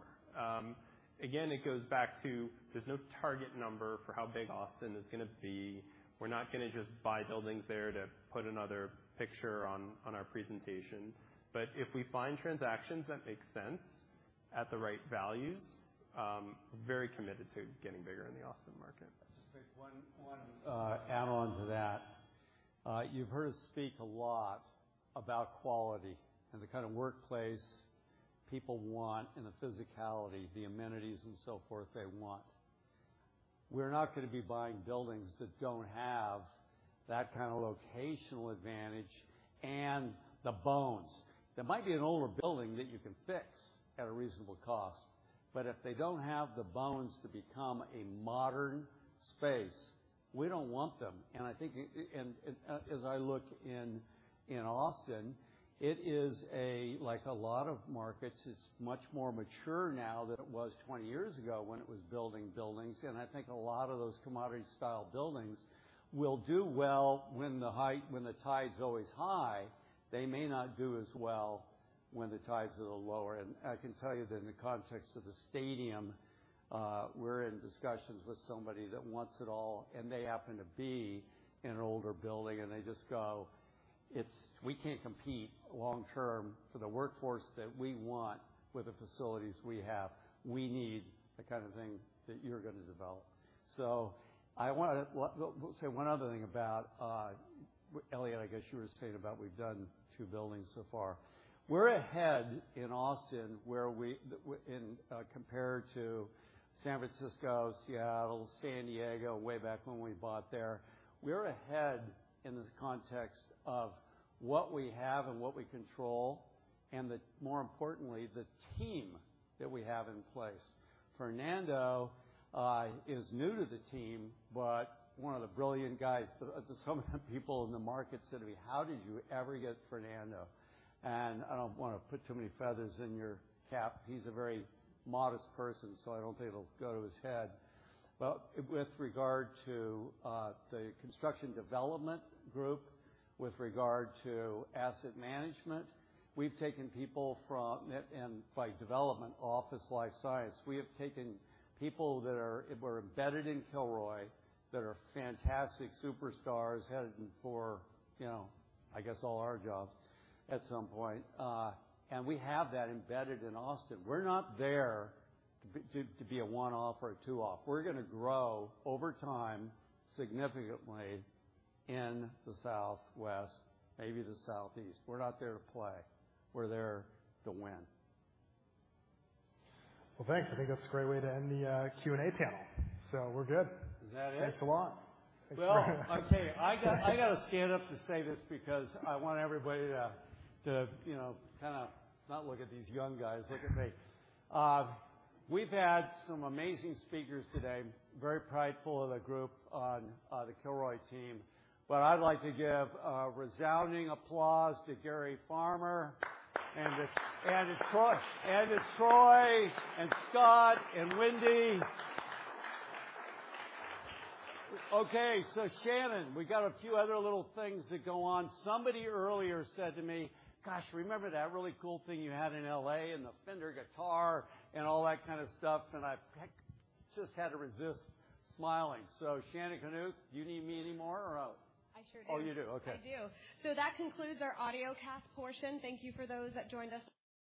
Again, it goes back to there's no target number for how big Austin is gonna be. We're not gonna just buy buildings there to put another picture on our presentation. If we find transactions that make sense at the right values, we're very committed to getting bigger in the Austin market. Just a quick one add-on to that. You've heard us speak a lot about quality and the kind of workplace people want and the physicality, the amenities and so forth they want. We're not gonna be buying buildings that don't have that kind of locational advantage and the bones. There might be an older building that you can fix at a reasonable cost, but if they don't have the bones to become a modern space, we don't want them. I think as I look in Austin, it is like a lot of markets, it's much more mature now than it was 20 years ago when it was building buildings. I think a lot of those commodity style buildings will do well when the tide's always high. They may not do as well when the tide's a little lower. I can tell you that in the context of the stadium, we're in discussions with somebody that wants it all, and they happen to be in an older building, and they just go, "It's. We can't compete long term for the workforce that we want with the facilities we have. We need the kind of thing that you're gonna develop." I wanna, we'll say one other thing about, Eliott, I guess you were saying about we've done 2 buildings so far. We're ahead in Austin, where in, compared to San Francisco, Seattle, San Diego, way back when we bought there. We're ahead in this context of what we have and what we control and, more importantly, the team that we have in place. Fernando is new to the team, but one of the brilliant guys. Some of the people in the market said to me, "How did you ever get Fernando?" I don't want to put too many feathers in your cap. He's a very modest person, so I don't think it'll go to his head. Well, with regard to the construction development group, with regard to asset management, we've taken people. By development, office life science. We have taken people that were embedded in Kilroy that are fantastic superstars headed for, you know, I guess, all our jobs at some point. We have that embedded in Austin. We're not there to be a one-off or a two-off. We're gonna grow over time, significantly in the Southwest, maybe the Southeast. We're not there to play. We're there to win. Well, thanks. I think that's a great way to end the Q&A panel. We're good. Is that it? Thanks a lot. Well, I'll tell you. I got to stand up to say this because I want everybody to you know kind of not look at these young guys. Look at me. We've had some amazing speakers today. Very prideful of the group on the Kilroy team. I'd like to give a resounding applause to Gary Farmer and to Troy and Scott and Lindy. Okay, Shannon, we got a few other little things that go on. Somebody earlier said to me, "Gosh, remember that really cool thing you had in LA and the Fender guitar and all that kind of stuff?" I just had to resist smiling. Shannon Kanuk, do you need me anymore or no? I sure do. Oh, you do. Okay. I do. That concludes our audiocast portion. Thank you for those that joined us.